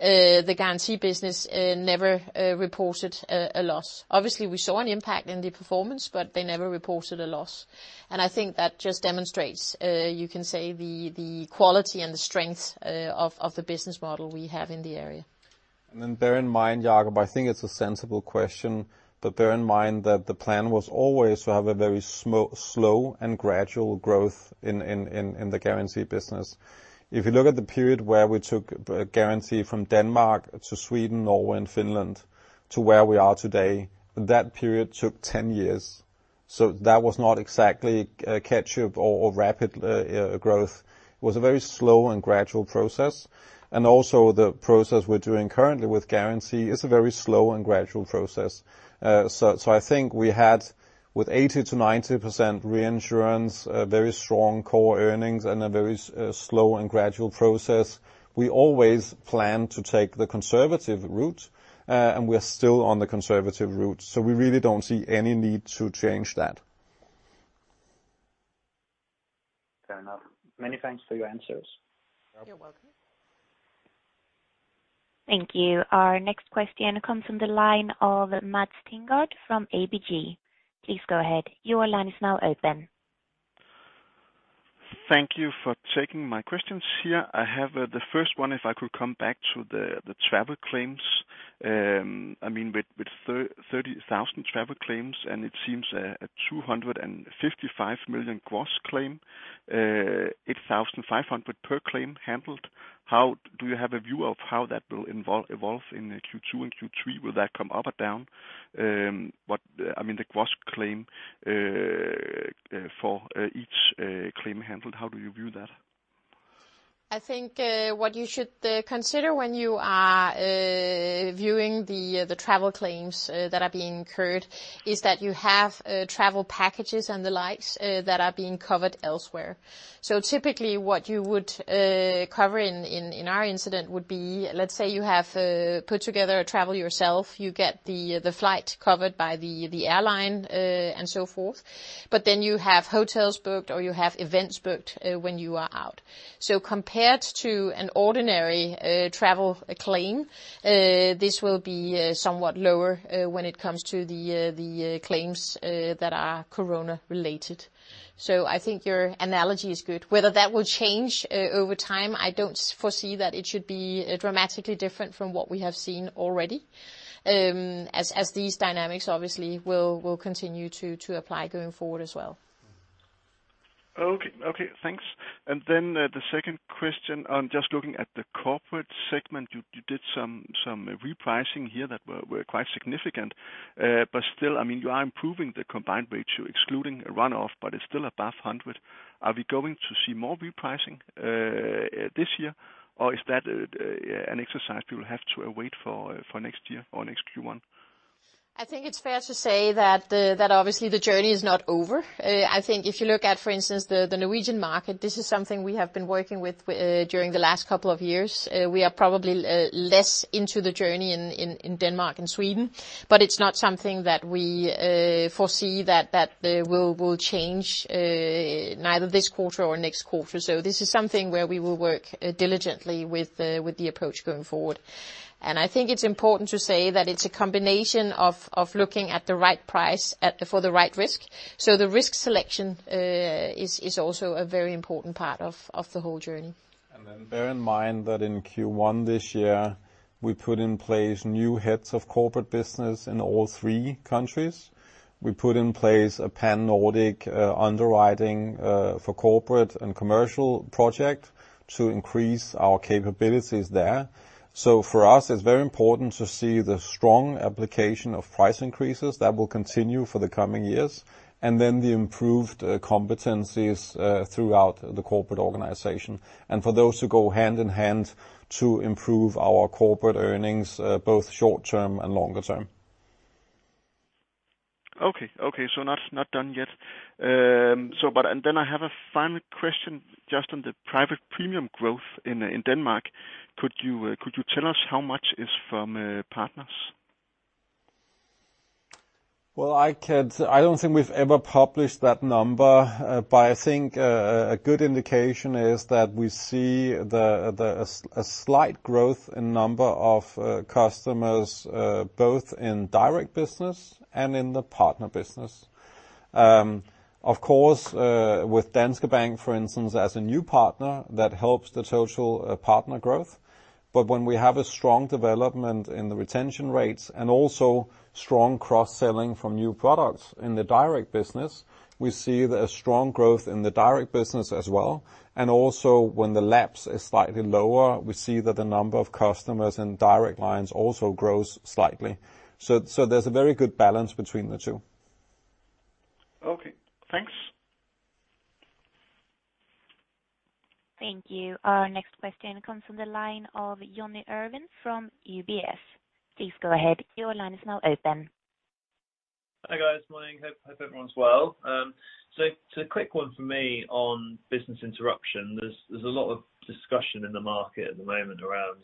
the Garanti business never reported a loss. Obviously, we saw an impact in the performance, but they never reported a loss. I think that just demonstrates, you can say, the quality and the strength of the business model we have in the area. Then bear in mind, Jakob, I think it's a sensible question, but bear in mind that the plan was always to have a very slow and gradual growth in the guarantee business. If you look at the period where we took a guarantee from Denmark to Sweden, Norway, and Finland to where we are today, that period took 10 years. So that was not exactly a catch-up or rapid growth. It was a very slow and gradual process. And also the process we're doing currently with guarantee is a very slow and gradual process. So I think we had with 80%-90% reinsurance, very strong core earnings, and a very slow and gradual process. We always plan to take the conservative route, and we are still on the conservative route. So we really don't see any need to change that. Fair enough. Many thanks for your answers. You're welcome. Thank you. Our next question comes from the line of Mads Tinggaard from ABG. Please go ahead. Your line is now open. Thank you for taking my questions here. I have the first one, if I could come back to the travel claims. I mean, with 30,000 travel claims and it seems a 255 million gross claim, 8,500 per claim handled, how do you have a view of how that will evolve in Q2 and Q3? Will that come up or down? What, I mean, the gross claim for each claim handled, how do you view that? I think what you should consider when you are viewing the travel claims that are being incurred is that you have travel packages and the likes that are being covered elsewhere. So typically what you would cover in our incident would be, let's say you have put together a travel yourself, you get the flight covered by the airline, and so forth, but then you have hotels booked or you have events booked when you are out. So compared to an ordinary travel claim, this will be somewhat lower when it comes to the claims that are corona-related. So I think your analogy is good. Whether that will change over time, I don't foresee that it should be dramatically different from what we have seen already. As these dynamics obviously will continue to apply going forward as well. Okay. Okay. Thanks. And then the second question on just looking at the Corporate segment, you did some repricing here that were quite significant. But still, I mean, you are improving the combined ratio excluding run-off, but it's still above 100. Are we going to see more repricing this year or is that an exercise we will have to await for next year or next Q1? I think it's fair to say that obviously the journey is not over. I think if you look at, for instance, the Norwegian market, this is something we have been working with during the last couple of years. We are probably less into the journey in Denmark and Sweden, but it's not something that we foresee that will change, neither this quarter or next quarter. So this is something where we will work diligently with the approach going forward. I think it's important to say that it's a combination of looking at the right price for the right risk. So the risk selection is also a very important part of the whole journey. Bear in mind that in Q1 this year, we put in place new heads of Corporate business in all three countries. We put in place a pan-Nordic underwriting for Corporate and Commercial project to increase our capabilities there. So for us, it's very important to see the strong application of price increases that will continue for the coming years, and then the improved competencies throughout the Corporate organization, and for those to go hand in hand to improve our Corporate earnings, both short-term and longer-term. Okay. So not done yet. I have a final question just on the Private premium growth in Denmark. Could you tell us how much is from partners? Well, I could. I don't think we've ever published that number, but I think a good indication is that we see a slight growth in number of customers, both in direct business and in the partner business. Of course, with Danske Bank, for instance, as a new partner that helps the total partner growth, but when we have a strong development in the retention rates and also strong cross-selling from new products in the direct business, we see a strong growth in the direct business as well, and also when the lapse is slightly lower, we see that the number of customers in direct lines also grows slightly. So there's a very good balance between the two. Okay. Thanks. Thank you. Our next question comes from the line of Jonny Urwin from UBS. Please go ahead. Your line is now open. Hi, guys. Morning. Hope everyone's well. So it's a quick one for me on business interruption. There's a lot of discussion in the market at the moment around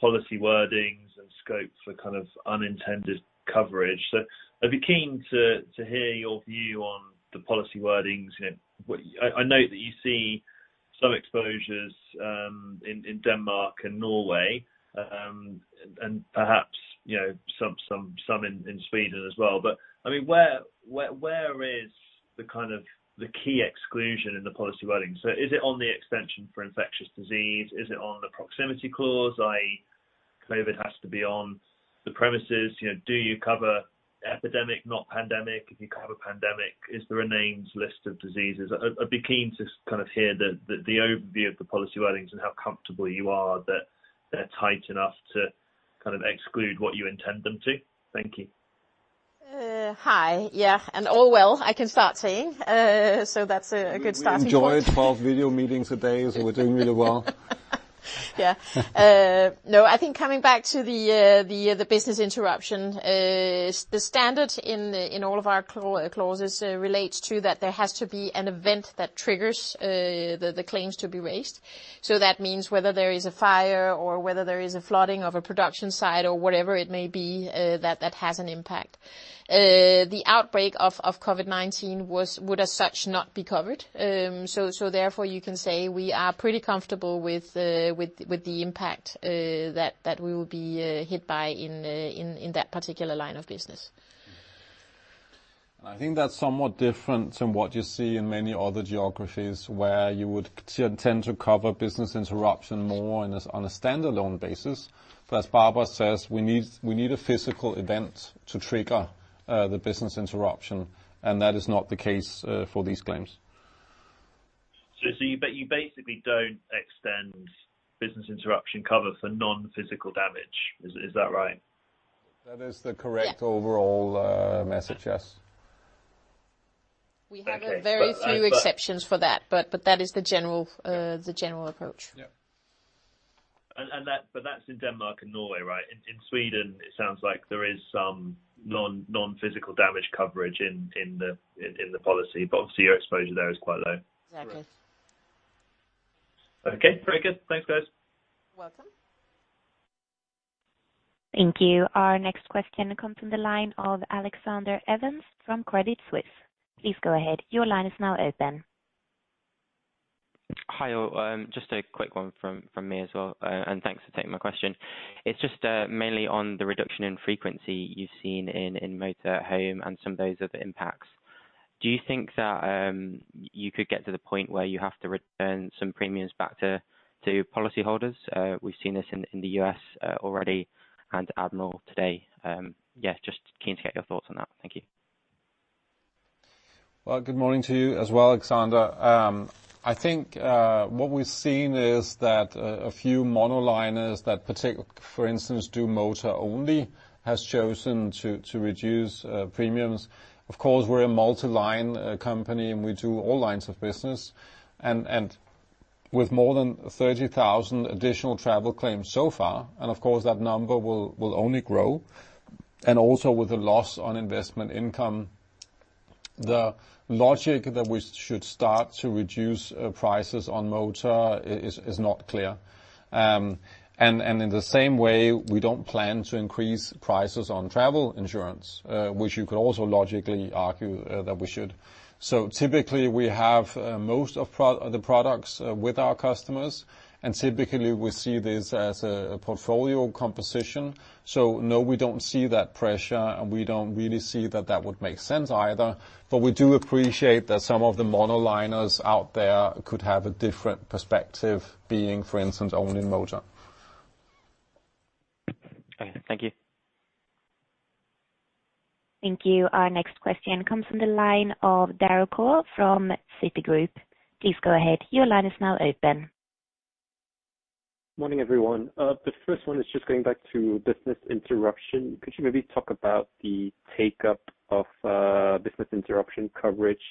policy wordings and scope for kind of unintended coverage. So I'd be keen to hear your view on the policy wordings, you know, what I know that you see some exposures in Denmark and Norway, and perhaps, you know, some in Sweden as well. But I mean, where is the kind of the key exclusion in the policy wording? So is it on the extension for infectious disease? Is it on the proximity clause, i.e., COVID has to be on the premises? You know, do you cover epidemic, not pandemic? If you cover pandemic, is there a names list of diseases? I'd be keen to kind of hear the overview of the policy wordings and how comfortable you are that they're tight enough to kind of exclude what you intend them to. Thank you. Hi. Yeah. And all well. I can start saying, so that's a good starting point. Enjoy 12 video meetings a day. So we're doing really well. Yeah. No, I think coming back to the business interruption, the standard in all of our clauses relates to that there has to be an event that triggers the claims to be raised. So that means whether there is a fire or whether there is a flooding of a production site or whatever it may be, that has an impact. The outbreak of COVID-19 would as such not be covered. Therefore you can say we are pretty comfortable with the impact that we will be hit by in that particular line of business. I think that's somewhat different than what you see in many other geographies where you would tend to cover business interruption more on a standalone basis. As Barbara says, we need a physical event to trigger the business interruption, and that is not the case for these claims. But you basically don't extend business interruption cover for non-physical damage. Is that right? That is the correct overall message. Yes. We have very few exceptions for that, but that is the general approach. Yeah. And that's in Denmark and Norway, right? In Sweden, it sounds like there is some non-physical damage coverage in the policy, but obviously your exposure there is quite low. Exactly. Okay. Very good. Thanks, guys. Welcome. Thank you. Our next question comes from the line of Alexander Evans from Credit Suisse. Please go ahead. Your line is now open. Hi, all. Just a quick one from me as well. And thanks for taking my question. It's just mainly on the reduction in frequency you've seen in motor, home and some of those other impacts. Do you think that you could get to the point where you have to return some premiums back to policyholders? We've seen this in the U.S. already and Admiral today. Yeah, just keen to get your thoughts on that. Thank you. Good morning to you as well, Alexander. I think what we've seen is that a few monoliners, particularly, for instance, that do motor only have chosen to reduce premiums. Of course, we're a multi-line company and we do all lines of business and with more than 30,000 additional travel claims so far. And of course, that number will only grow. And also with the loss on investment income, the logic that we should start to reduce prices on motor is not clear. And in the same way, we don't plan to increase prices on travel insurance, which you could also logically argue that we should. So typically we have most of the products with our customers, and typically we see this as a portfolio composition. So no, we don't see that pressure and we don't really see that that would make sense either. But we do appreciate that some of the monoliners out there could have a different perspective being, for instance, only in motor. Okay. Thank you. Thank you. Our next question comes from the line of Derald Goh from Citigroup. Please go ahead. Your line is now open. Morning, everyone. The first one is just going back to business interruption. Could you maybe talk about the take-up of business interruption coverage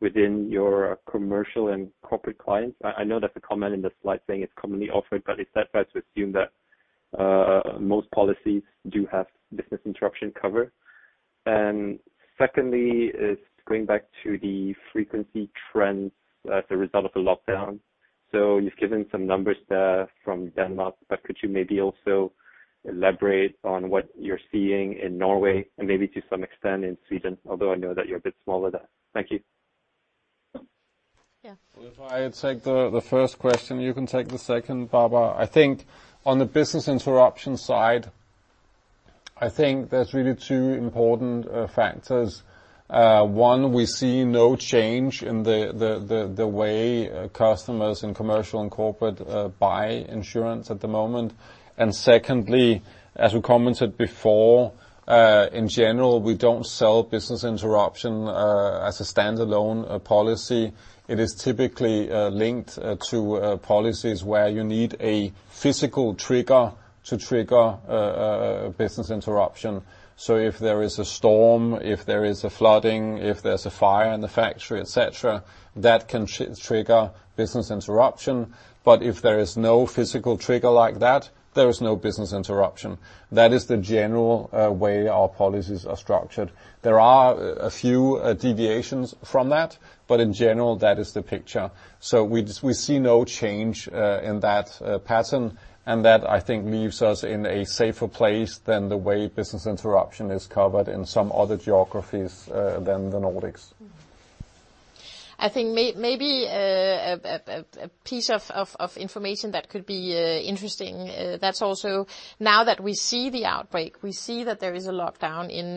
within your Commercial and Corporate clients? I know there's a comment in the slide saying it's commonly offered, but is it best to assume that most policies do have business interruption cover? And secondly is going back to the frequency trends as a result of the lockdown. So you've given some numbers there from Denmark, but could you maybe also elaborate on what you're seeing in Norway and maybe to some extent in Sweden, although I know that you're a bit smaller than that. Thank you. Yeah. Well, if I take the first question, you can take the second, Barbara. I think on the business interruption side, I think there's really two important factors. One, we see no change in the way customers in Commercial and Corporate buy insurance at the moment. And secondly, as we commented before, in general, we don't sell business interruption as a standalone policy. It is typically linked to policies where you need a physical trigger to trigger business interruption. So if there is a storm, if there is a flooding, if there's a fire in the factory, etc., that can trigger business interruption. But if there is no physical trigger like that, there is no business interruption. That is the general way our policies are structured. There are a few deviations from that, but in general, that is the picture. So we see no change in that pattern, and that I think leaves us in a safer place than the way business interruption is covered in some other geographies than the Nordics. I think maybe a piece of information that could be interesting, that's also now that we see the outbreak, we see that there is a lockdown in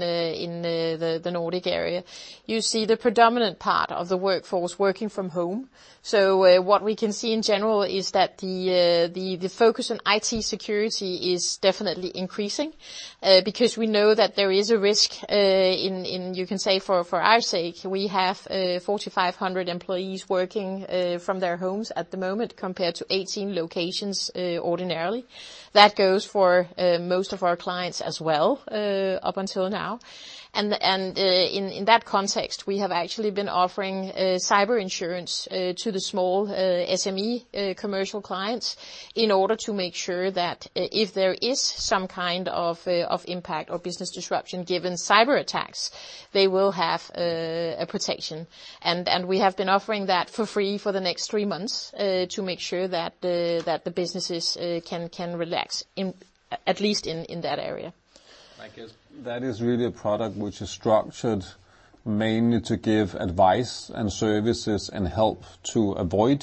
the Nordic area, you see the predominant part of the workforce working from home. So, what we can see in general is that the focus on IT security is definitely increasing, because we know that there is a risk. In you can say for our sake, we have 4,500 employees working from their homes at the moment compared to 18 locations ordinarily. That goes for most of our clients as well, up until now. And in that context, we have actually been offering cyber insurance to the small SME Commercial clients in order to make sure that if there is some kind of impact or business disruption given cyber attacks, they will have a protection. And we have been offering that for free for the next three months, to make sure that the businesses can relax in at least in that area. I guess that is really a product which is structured mainly to give advice and services and help to avoid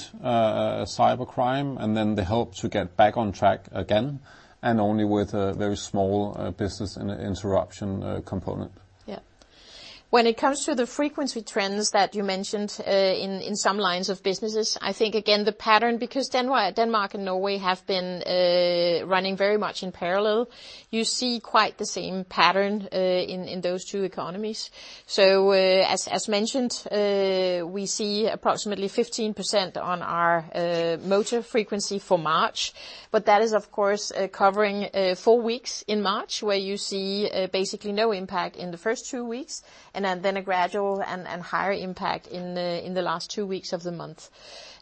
cybercrime and then the help to get back on track again and only with a very small business interruption component. Yeah. When it comes to the frequency trends that you mentioned in some lines of businesses, I think again the pattern because Denmark and Norway have been running very much in parallel. You see quite the same pattern in those two economies. So, as mentioned, we see approximately 15% on our motor frequency for March, but that is of course covering four weeks in March where you see basically no impact in the first two weeks and then a gradual and higher impact in the last two weeks of the month.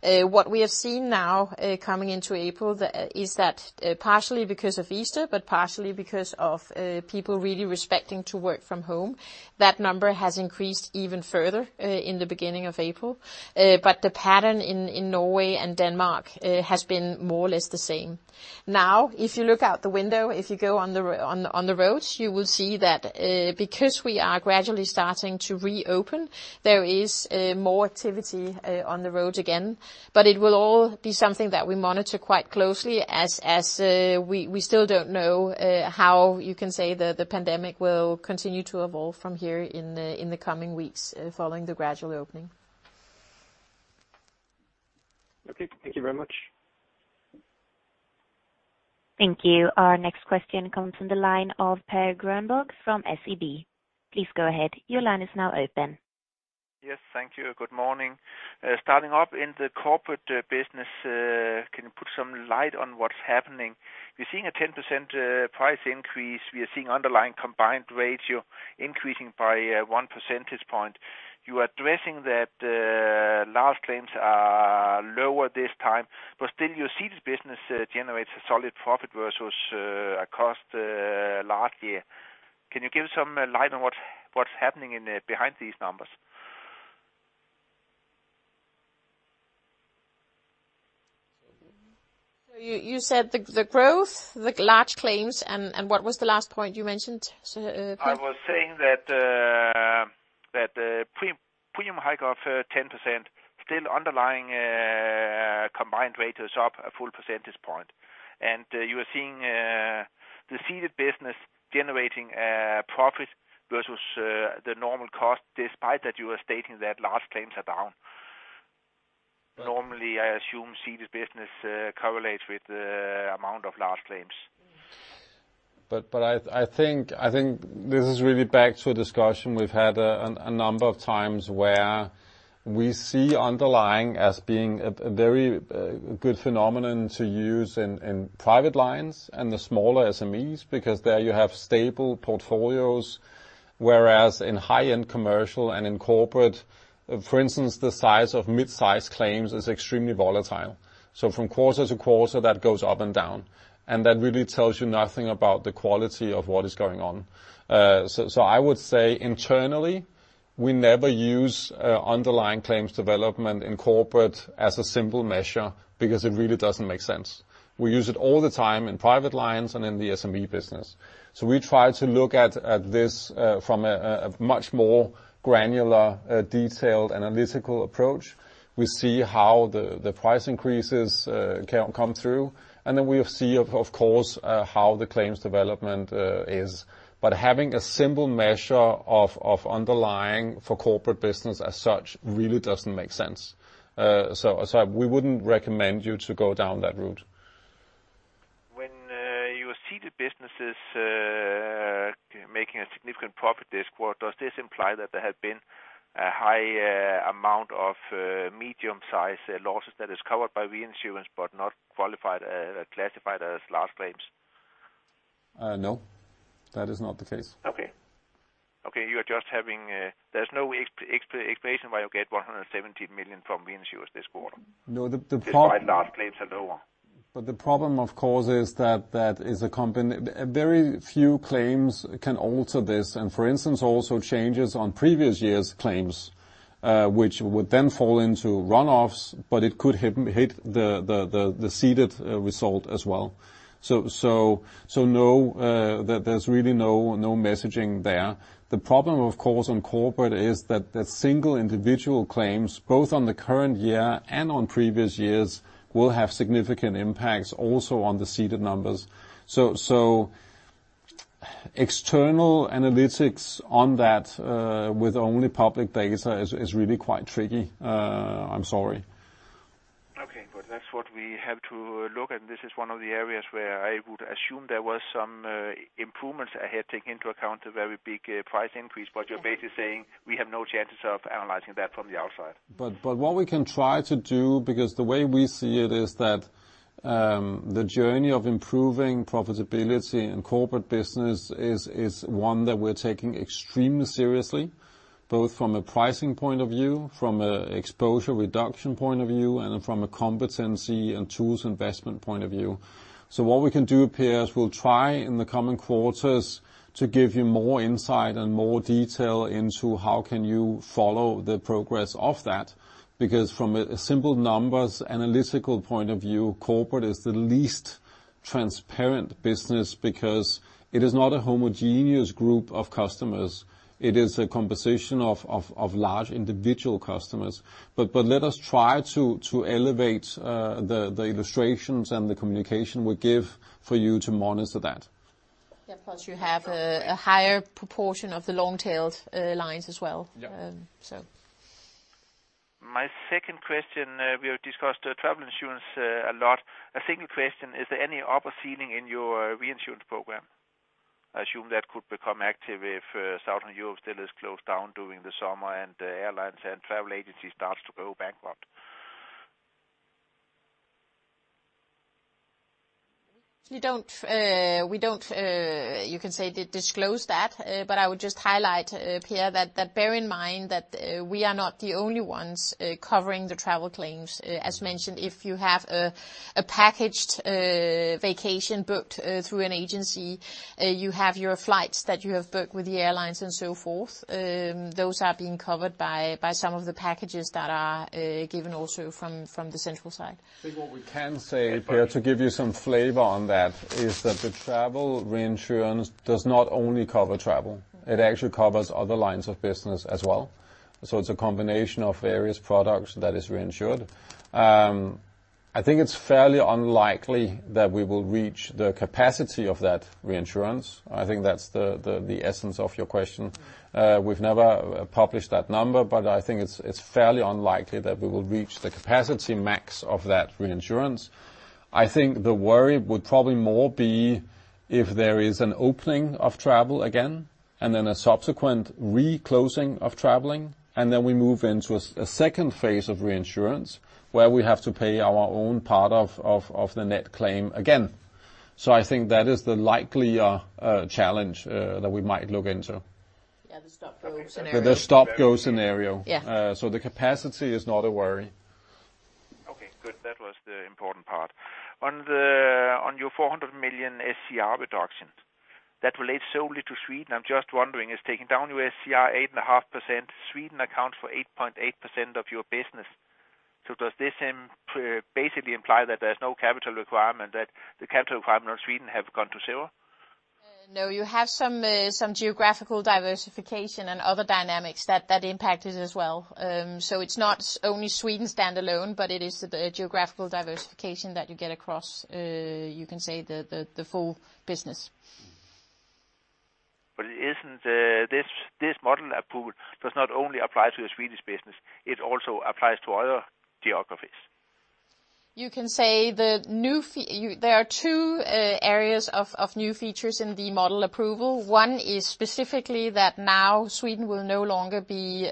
What we have seen now, coming into April, is that, partially because of Easter, but partially because of people really respecting to work from home, that number has increased even further, in the beginning of April. But the pattern in Norway and Denmark has been more or less the same. Now, if you look out the window, if you go on the roads, you will see that, because we are gradually starting to reopen, there is more activity on the roads again, but it will all be something that we monitor quite closely as we still don't know how you can say the pandemic will continue to evolve from here in the coming weeks, following the gradual opening. Okay. Thank you very much. Thank you. Our next question comes from the line of Per Grönborg from SEB. Please go ahead. Your line is now open. Yes. Thank you. Good morning. Starting off in the Corporate business, can you put some light on what's happening? We're seeing a 10% price increase. We are seeing underlying combined ratio increasing by one percentage point. You are addressing that large claims are lower this time, but still you see this business generates a solid profit versus a loss last year. Can you give us some light on what's happening behind these numbers? So you said the growth, the large claims and what was the last point you mentioned? So, Per. I was saying that the premium hike of 10% still underlying combined ratio is up a full percentage point. And you are seeing the ceded business generating a profit versus the normal cost despite that you are stating that large claims are down. Normally, I assume ceded business correlates with the amount of large claims. But I think this is really back to a discussion we've had a number of times where we see underlying as being a very good phenomenon to use in Private lines and the smaller SMEs because there you have stable portfolios, whereas in high-end Commercial and in Corporate, for instance, the size of mid-size claims is extremely volatile. So from quarter to quarter, that goes up and down, and that really tells you nothing about the quality of what is going on. So I would say internally we never use underlying claims development in Corporate as a simple measure because it really doesn't make sense. We use it all the time in Private lines and in the SME business. So we try to look at this from a much more granular, detailed analytical approach. We see how the price increases can come through, and then we see, of course, how the claims development is. But having a simple measure of underlying for Corporate business as such really doesn't make sense. So we wouldn't recommend you to go down that route. When you see the businesses making a significant profit this quarter, what does this imply? That there had been a high amount of medium-size losses that is covered by reinsurance but not qualified, classified as large claims? No, that is not the case. Okay. You are just having, there's no explanation why you get 170 million from reinsurance this quarter. No, the problem. Despite large claims and lower. But the problem, of course, is that that is a combined. A very few claims can alter this and, for instance, also changes on previous year's claims, which would then fall into run-off, but it could hit the ceded result as well. So no, there's really no messaging there. The problem, of course, on Corporate is that that single individual claims, both on the current year and on previous years, will have significant impacts also on the ceded numbers. So external analytics on that, with only public data is really quite tricky. I'm sorry. Okay. But that's what we have to look at. This is one of the areas where I would assume there was some improvements ahead taking into account the very big price increase, but your base is saying we have no chances of analyzing that from the outside. But what we can try to do, because the way we see it is that, the journey of improving profitability in Corporate business is one that we're taking extremely seriously, both from a pricing point of view, from a exposure reduction point of view, and from a competency and tools investment point of view. So what we can do, Per, we'll try in the coming quarters to give you more insight and more detail into how can you follow the progress of that, because from a simple numbers analytical point of view, Corporate is the least transparent business because it is not a homogeneous group of customers. It is a composition of large individual customers. But let us try to elevate the illustrations and the communication we give for you to monitor that. Yeah. Plus you have a higher proportion of the long-tailed lines as well. Yeah. So my second question, we have discussed travel insurance a lot. A single question: Is there any upper ceiling in your reinsurance program? I assume that could become active if Southern Europe still is closed down during the summer and the airlines and travel agencies start to go bankrupt. We don't disclose that, but I would just highlight, Per, that bear in mind that we are not the only ones covering the travel claims. As mentioned, if you have a packaged vacation booked through an agency, you have your flights that you have booked with the airlines and so forth. Those are being covered by some of the packages that are given also from the central side. I think what we can say, Per, to give you some flavor on that, is that the travel reinsurance does not only cover travel. It actually covers other lines of business as well. So it's a combination of various products that is reinsured. I think it's fairly unlikely that we will reach the capacity of that reinsurance. I think that's the essence of your question. We've never published that number, but I think it's fairly unlikely that we will reach the capacity max of that reinsurance. I think the worry would probably more be if there is an opening of travel again and then a subsequent reclosing of travel, and then we move into a second phase of reinsurance where we have to pay our own part of the net claim again. So I think that is the likelier challenge that we might look into. Yeah. The stop-go scenario. The stop-go scenario. Yeah. So the capacity is not a worry. Okay. Good. That was the important part. On your 400 million SCR reduction that relates solely to Sweden, I'm just wondering, is taking down your SCR 8.5%? Sweden accounts for 8.8% of your business. So does this imply basically that there's no capital requirement, that the capital requirement on Sweden have gone to zero? No. You have some geographical diversification and other dynamics that impact it as well. So it's not only Sweden standalone, but it is the geographical diversification that you get across, you can say the full business. But it isn't. This model approval does not only apply to your Swedish business. It also applies to other geographies. You can say there are two areas of new features in the model approval. One is specifically that now Sweden will no longer be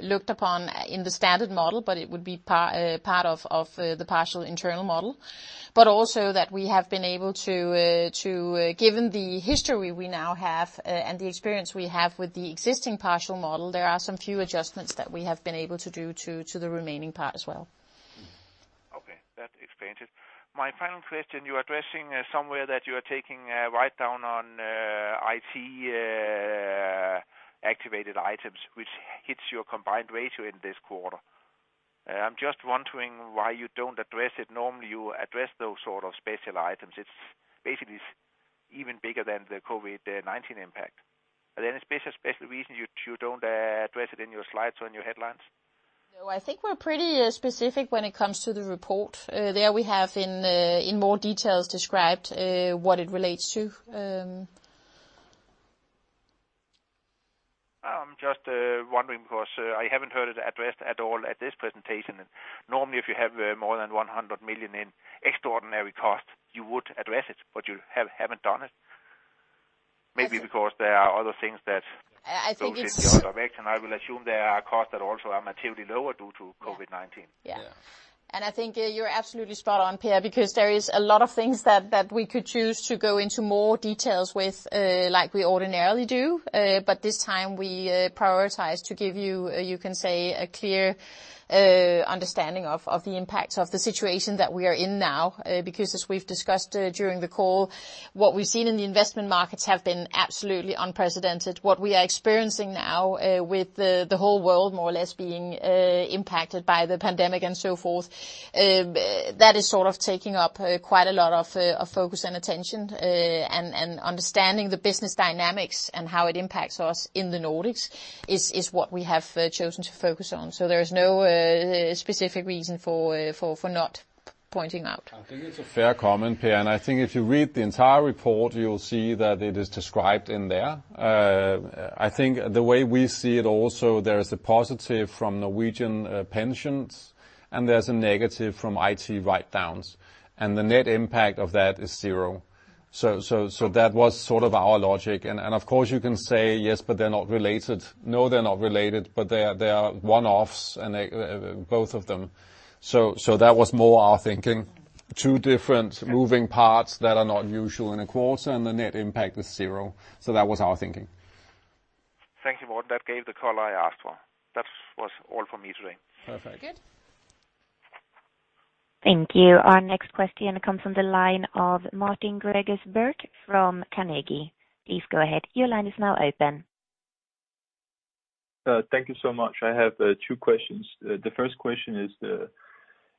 looked upon in the standard model, but it would be part of the partial internal model. But also that we have been able to, given the history we now have, and the experience we have with the existing partial model, there are some few adjustments that we have been able to do to the remaining part as well. Okay. That explains it. My final question: You're addressing somewhere that you are taking a write-down on IT capitalized items, which hits your combined ratio in this quarter. I'm just wondering why you don't address it. Normally, you address those sort of special items. It's basically even bigger than the COVID-19 impact. Are there any special reasons you don't address it in your slides or in your headlines? No. I think we're pretty specific when it comes to the report. There we have in more details described what it relates to. I'm just wondering because I haven't heard it addressed at all at this presentation. Normally, if you have more than 100 million in extraordinary cost, you would address it, but you haven't done it. Maybe because there are other things that. I think it's. You're correct. And I will assume there are costs that also are materially lower due to COVID-19. Yeah. Yeah. And I think you're absolutely spot on, Per, because there is a lot of things that we could choose to go into more details with, like we ordinarily do. But this time we prioritize to give you, you can say, a clear understanding of the impacts of the situation that we are in now, because as we've discussed during the call, what we've seen in the investment markets have been absolutely unprecedented. What we are experiencing now, with the whole world more or less being impacted by the pandemic and so forth, that is sort of taking up quite a lot of focus and attention, and understanding the business dynamics and how it impacts us in the Nordics is what we have chosen to focus on. So there is no specific reason for not pointing out. I think it's a fair comment, Per. And I think if you read the entire report, you'll see that it is described in there. I think the way we see it also, there is a positive from Norwegian pensions, and there's a negative from IT write-downs. And the net impact of that is zero. So that was sort of our logic. And of course, you can say, "Yes, but they're not related." No, they're not related, but they are one-offs, both of them. So that was more our thinking. Two different moving parts that are not usual in a quarter, and the net impact is zero. So that was our thinking. Thank you, Morten. That gave the call I asked for. That was all for me today. Perfect. Good. Thank you. Our next question comes on the line of Martin Gregers Birk from Carnegie. Please go ahead. Your line is now open. Thank you so much. I have two questions. The first question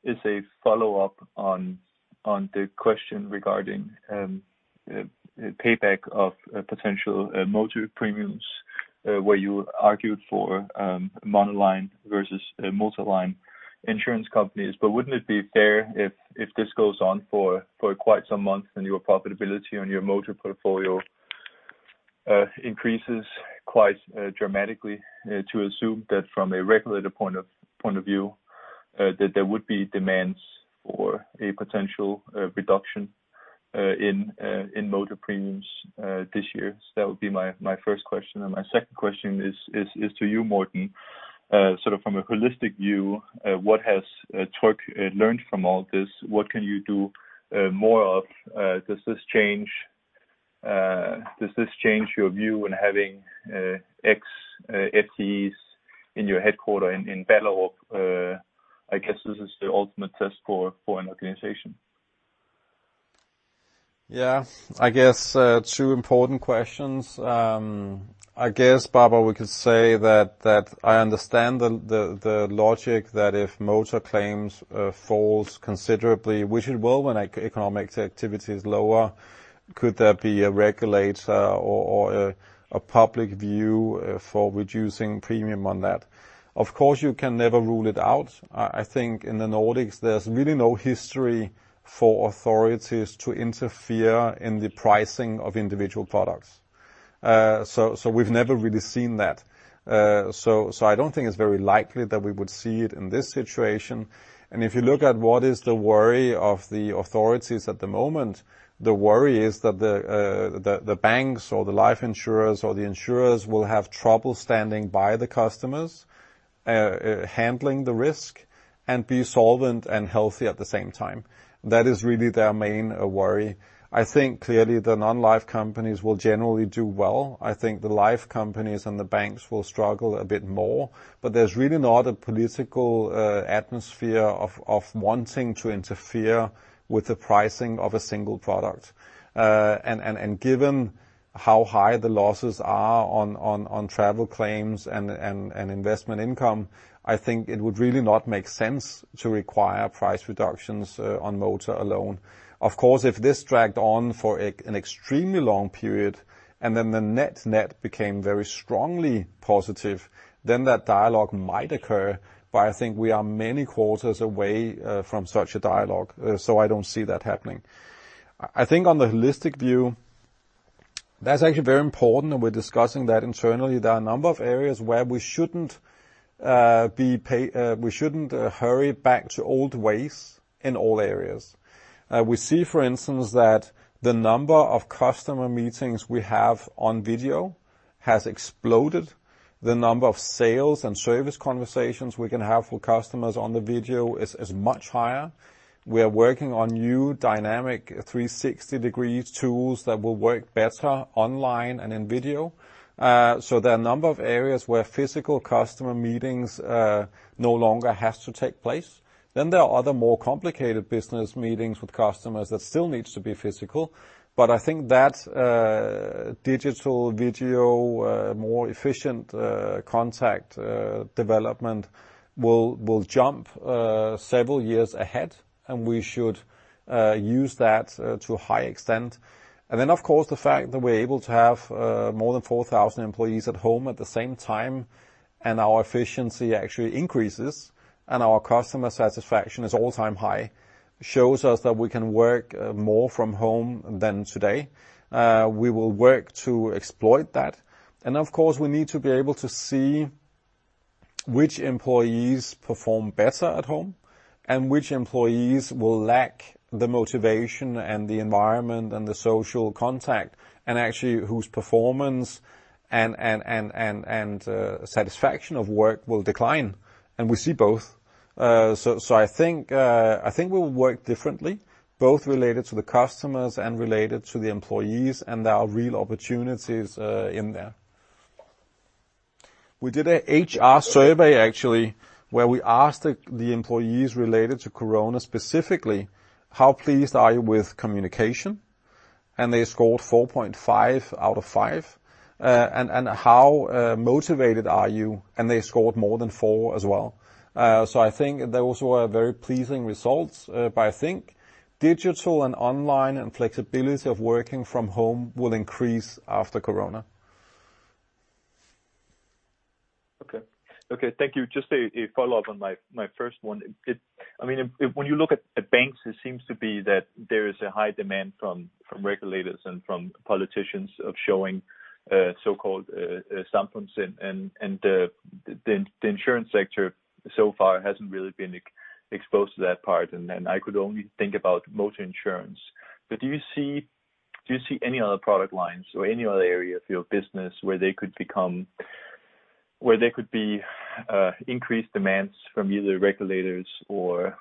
is a follow-up on the question regarding payback of potential motor premiums, where you argued for monoline versus multiline insurance companies. But wouldn't it be fair if this goes on for quite some months and your profitability on your motor portfolio increases quite dramatically to assume that from a regulator's point of view that there would be demands for a potential reduction in motor premiums this year? So that would be my first question. And my second question is to you, Morten, sort of from a holistic view, what has Tryg learned from all this? What can you do more of? Does this change your view in having excess FTEs in your headquarters in Ballerup? I guess this is the ultimate test for an organization. Yeah. I guess two important questions. I guess, Barbara, we could say that I understand the logic that if motor claims falls considerably, which it will when economic activity is lower, could there be a regulator or a public view for reducing premium on that? Of course, you can never rule it out. I think in the Nordics, there's really no history for authorities to interfere in the pricing of individual products. So we've never really seen that. So I don't think it's very likely that we would see it in this situation. And if you look at what is the worry of the authorities at the moment, the worry is that the banks or the life insurers or the insurers will have trouble standing by the customers, handling the risk and be solvent and healthy at the same time. That is really their main worry. I think clearly the non-life companies will generally do well. I think the life companies and the banks will struggle a bit more. But there's really not a political atmosphere of wanting to interfere with the pricing of a single product. And given how high the losses are on travel claims and investment income, I think it would really not make sense to require price reductions on motor alone. Of course, if this dragged on for an extremely long period and then the net net became very strongly positive, then that dialogue might occur. But I think we are many quarters away from such a dialogue. So I don't see that happening. I think on the holistic view, that's actually very important, and we're discussing that internally. There are a number of areas where we shouldn't hurry back to old ways in all areas. We see, for instance, that the number of customer meetings we have on video has exploded. The number of sales and service conversations we can have for customers on the video is much higher. We are working on new dynamic 360-degree tools that will work better online and in video, so there are a number of areas where physical customer meetings no longer has to take place, then there are other more complicated business meetings with customers that still needs to be physical, but I think that digital video more efficient contact development will jump several years ahead, and we should use that to a high extent. Then, of course, the fact that we're able to have more than 4,000 employees at home at the same time and our efficiency actually increases and our customer satisfaction is all-time high shows us that we can work more from home than today. We will work to exploit that. Of course, we need to be able to see which employees perform better at home and which employees will lack the motivation and the environment and the social contact and actually whose performance and satisfaction of work will decline. We see both. So I think we will work differently, both related to the customers and related to the employees, and there are real opportunities in there. We did a HR survey, actually, where we asked the employees related to corona specifically, how pleased are you with communication? They scored 4.5 out of 5, and how motivated are you? They scored more than 4 as well. I think those were very pleasing results. I think digital and online and flexibility of working from home will increase after corona. Okay. Okay. Thank you. Just a follow-up on my first one. I mean, if when you look at banks, it seems to be that there is a high demand from regulators and from politicians of showing so-called Samfundssind. The insurance sector so far hasn't really been exposed to that part. I could only think about motor insurance. Do you see any other product lines or any other area of your business where there could be increased demands from either regulators or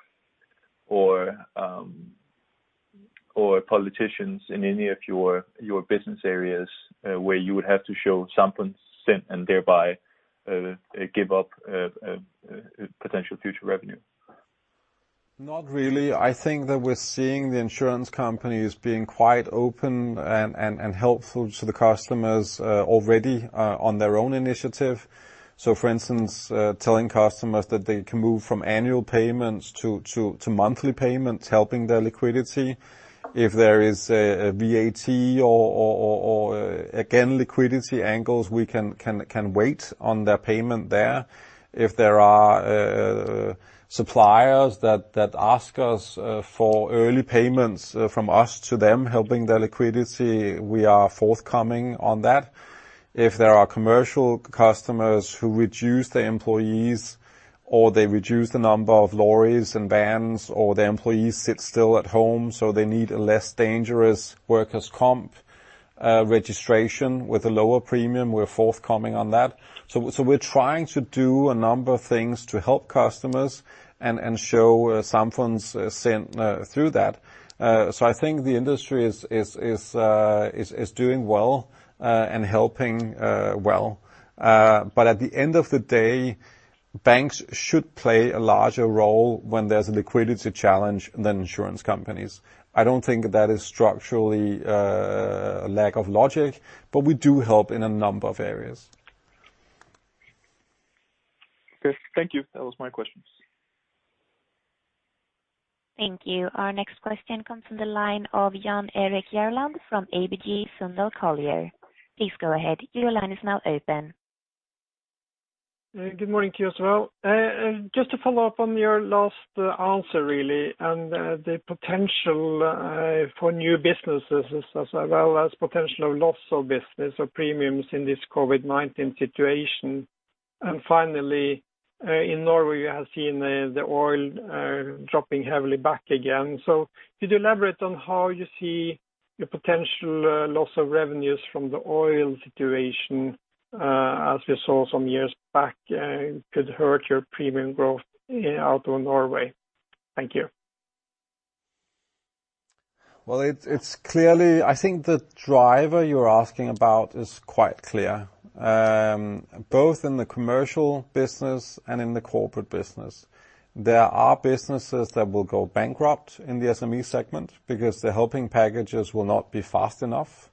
politicians in any of your business areas, where you would have to show Samfundssind and thereby give up potential future revenue? Not really. I think that we're seeing the insurance companies being quite open and helpful to the customers already on their own initiative. So, for instance, telling customers that they can move from annual payments to monthly payments, helping their liquidity. If there is VAT or again liquidity angles, we can wait on their payment there. If there are suppliers that ask us for early payments from us to them helping their liquidity, we are forthcoming on that. If there are Commercial customers who reduce their employees or they reduce the number of lorries and vans or the employees sit still at home, so they need a less dangerous workers' comp registration with a lower premium, we're forthcoming on that. So we're trying to do a number of things to help customers and show Samfundssind through that, so I think the industry is doing well and helping well, but at the end of the day, banks should play a larger role when there's a liquidity challenge than insurance companies. I don't think that is structurally lack of logic, but we do help in a number of areas. Okay. Thank you. That was my questions. Thank you. Our next question comes from the line of Jan Erik Gjerland from ABG Sundal Collier. Please go ahead. Your line is now open. Good morning, everyone. Just to follow up on your last answer, really, and the potential for new businesses as well as potential of loss of business or premiums in this COVID-19 situation. Finally, in Norway, we have seen the oil dropping heavily back again. So could you elaborate on how you see the potential loss of revenues from the oil situation, as we saw some years back, could hurt your premium growth out of Norway? Thank you. It's clearly, I think the driver you're asking about is quite clear. Both in the Commercial business and in the Corporate business, there are businesses that will go bankrupt in the SME segment because the helping packages will not be fast enough.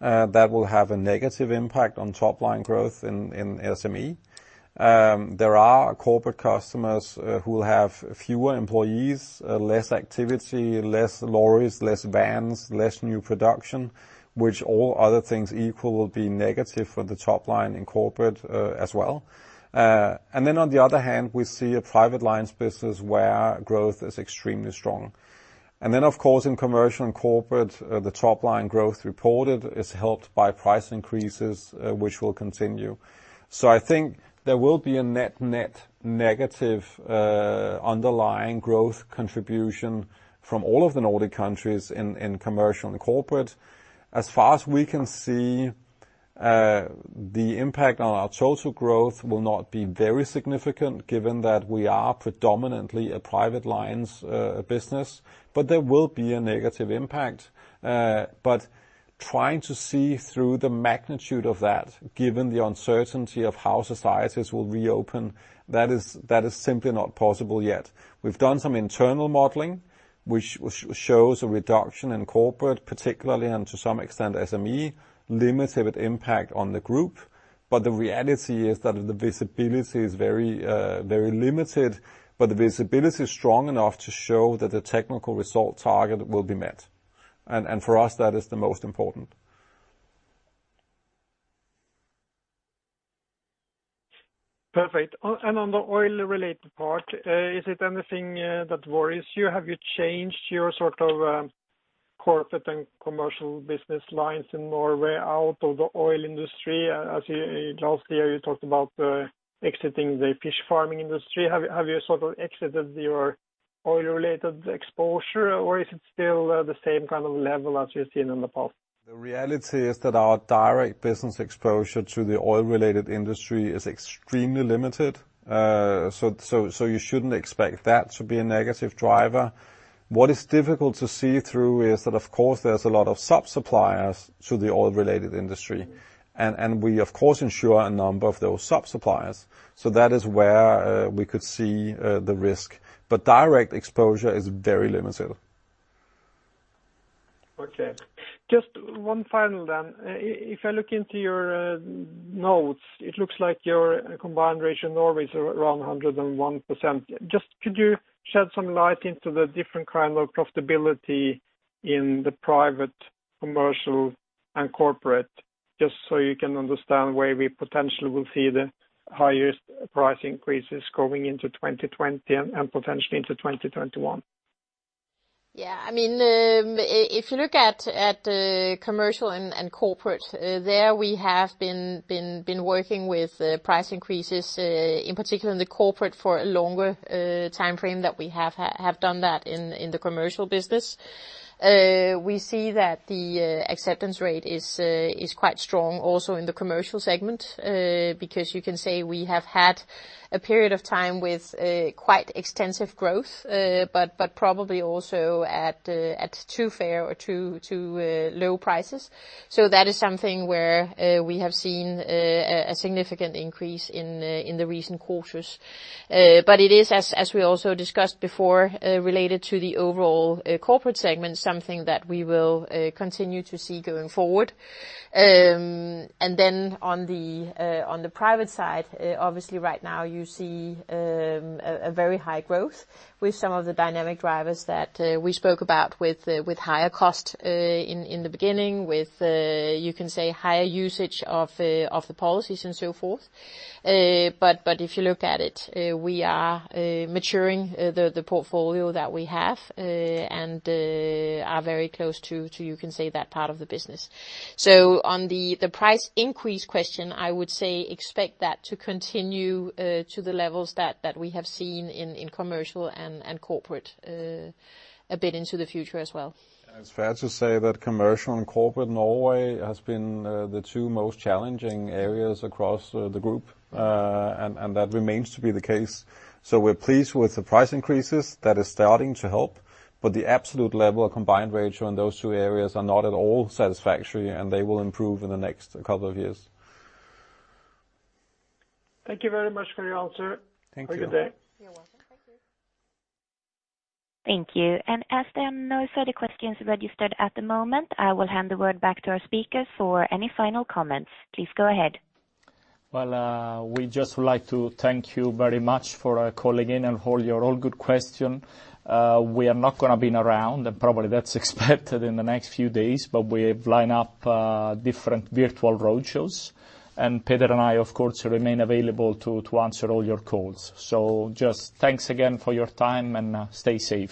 That will have a negative impact on top-line growth in SME. There are Corporate customers who will have fewer employees, less activity, less lorries, less vans, less new production, which all other things equal will be negative for the top-line in Corporate, as well, and then on the other hand, we see a Private lines business where growth is extremely strong, and then, of course, in Commercial and Corporate, the top-line growth reported is helped by price increases, which will continue. So I think there will be a net-net negative underlying growth contribution from all of the Nordic countries in Commercial and Corporate. As far as we can see, the impact on our total growth will not be very significant given that we are predominantly a Private lines business, but there will be a negative impact. But trying to see through the magnitude of that, given the uncertainty of how societies will reopen, that is simply not possible yet. We've done some internal modeling, which shows a reduction in Corporate, particularly, and to some extent SME, limited impact on the Group. But the reality is that the visibility is very, very limited, but the visibility is strong enough to show that the technical result target will be met. And for us, that is the most important. Perfect. And on the oil-related part, is it anything that worries you? Have you changed your sort of Corporate and Commercial business lines in Norway out of the oil industry? As you last year you talked about exiting the fish farming industry. Have you sort of exited your oil-related exposure, or is it still the same kind of level as you've seen in the past? The reality is that our direct business exposure to the oil-related industry is extremely limited. So you shouldn't expect that to be a negative driver. What is difficult to see through is that, of course, there's a lot of sub-suppliers to the oil-related industry. And we, of course, insure a number of those sub-suppliers. So that is where we could see the risk. But direct exposure is very limited. Okay. Just one final then. If I look into your notes, it looks like your combined ratio in Norway is around 101%. Just could you shed some light into the different kind of profitability in the Private, Commercial, and Corporate, just so you can understand where we potentially will see the highest price increases going into 2020 and potentially into 2021? Yeah. I mean, if you look at Commercial and Corporate, there we have been working with price increases, in particular in the Corporate for a longer time frame that we have done that in the Commercial business. We see that the acceptance rate is quite strong also in the Commercial segment, because you can say we have had a period of time with quite extensive growth, but probably also at too fair or too low prices. So that is something where we have seen a significant increase in the recent quarters. But it is, as we also discussed before, related to the overall Corporate segment, something that we will continue to see going forward. And then on the Private side, obviously right now you see a very high growth with some of the dynamic drivers that we spoke about with higher cost in the beginning, with you can say higher usage of the policies and so forth. But if you look at it, we are maturing the portfolio that we have, and are very close to you can say that part of the business. So on the price increase question, I would say expect that to continue to the levels that we have seen in Commercial and Corporate a bit into the future as well. It's fair to say that Commercial and Corporate Norway has been the two most challenging areas across the Group, and that remains to be the case. So we're pleased with the price increases that are starting to help, but the absolute level of combined ratio in those two areas are not at all satisfactory, and they will improve in the next couple of years. Thank you very much for your answer. Thank you very much. Have a good day. You're welcome. Thank you. Thank you. And as there are no further questions registered at the moment, I will hand the word back to our speakers for any final comments. Please go ahead. Well, we just would like to thank you very much for calling in and for your all good question. We are not gonna be around, and probably that's expected in the next few days, but we have lined up different virtual road shows, and Peter and I, of course, remain available to answer all your calls. Just thanks again for your time, and stay safe.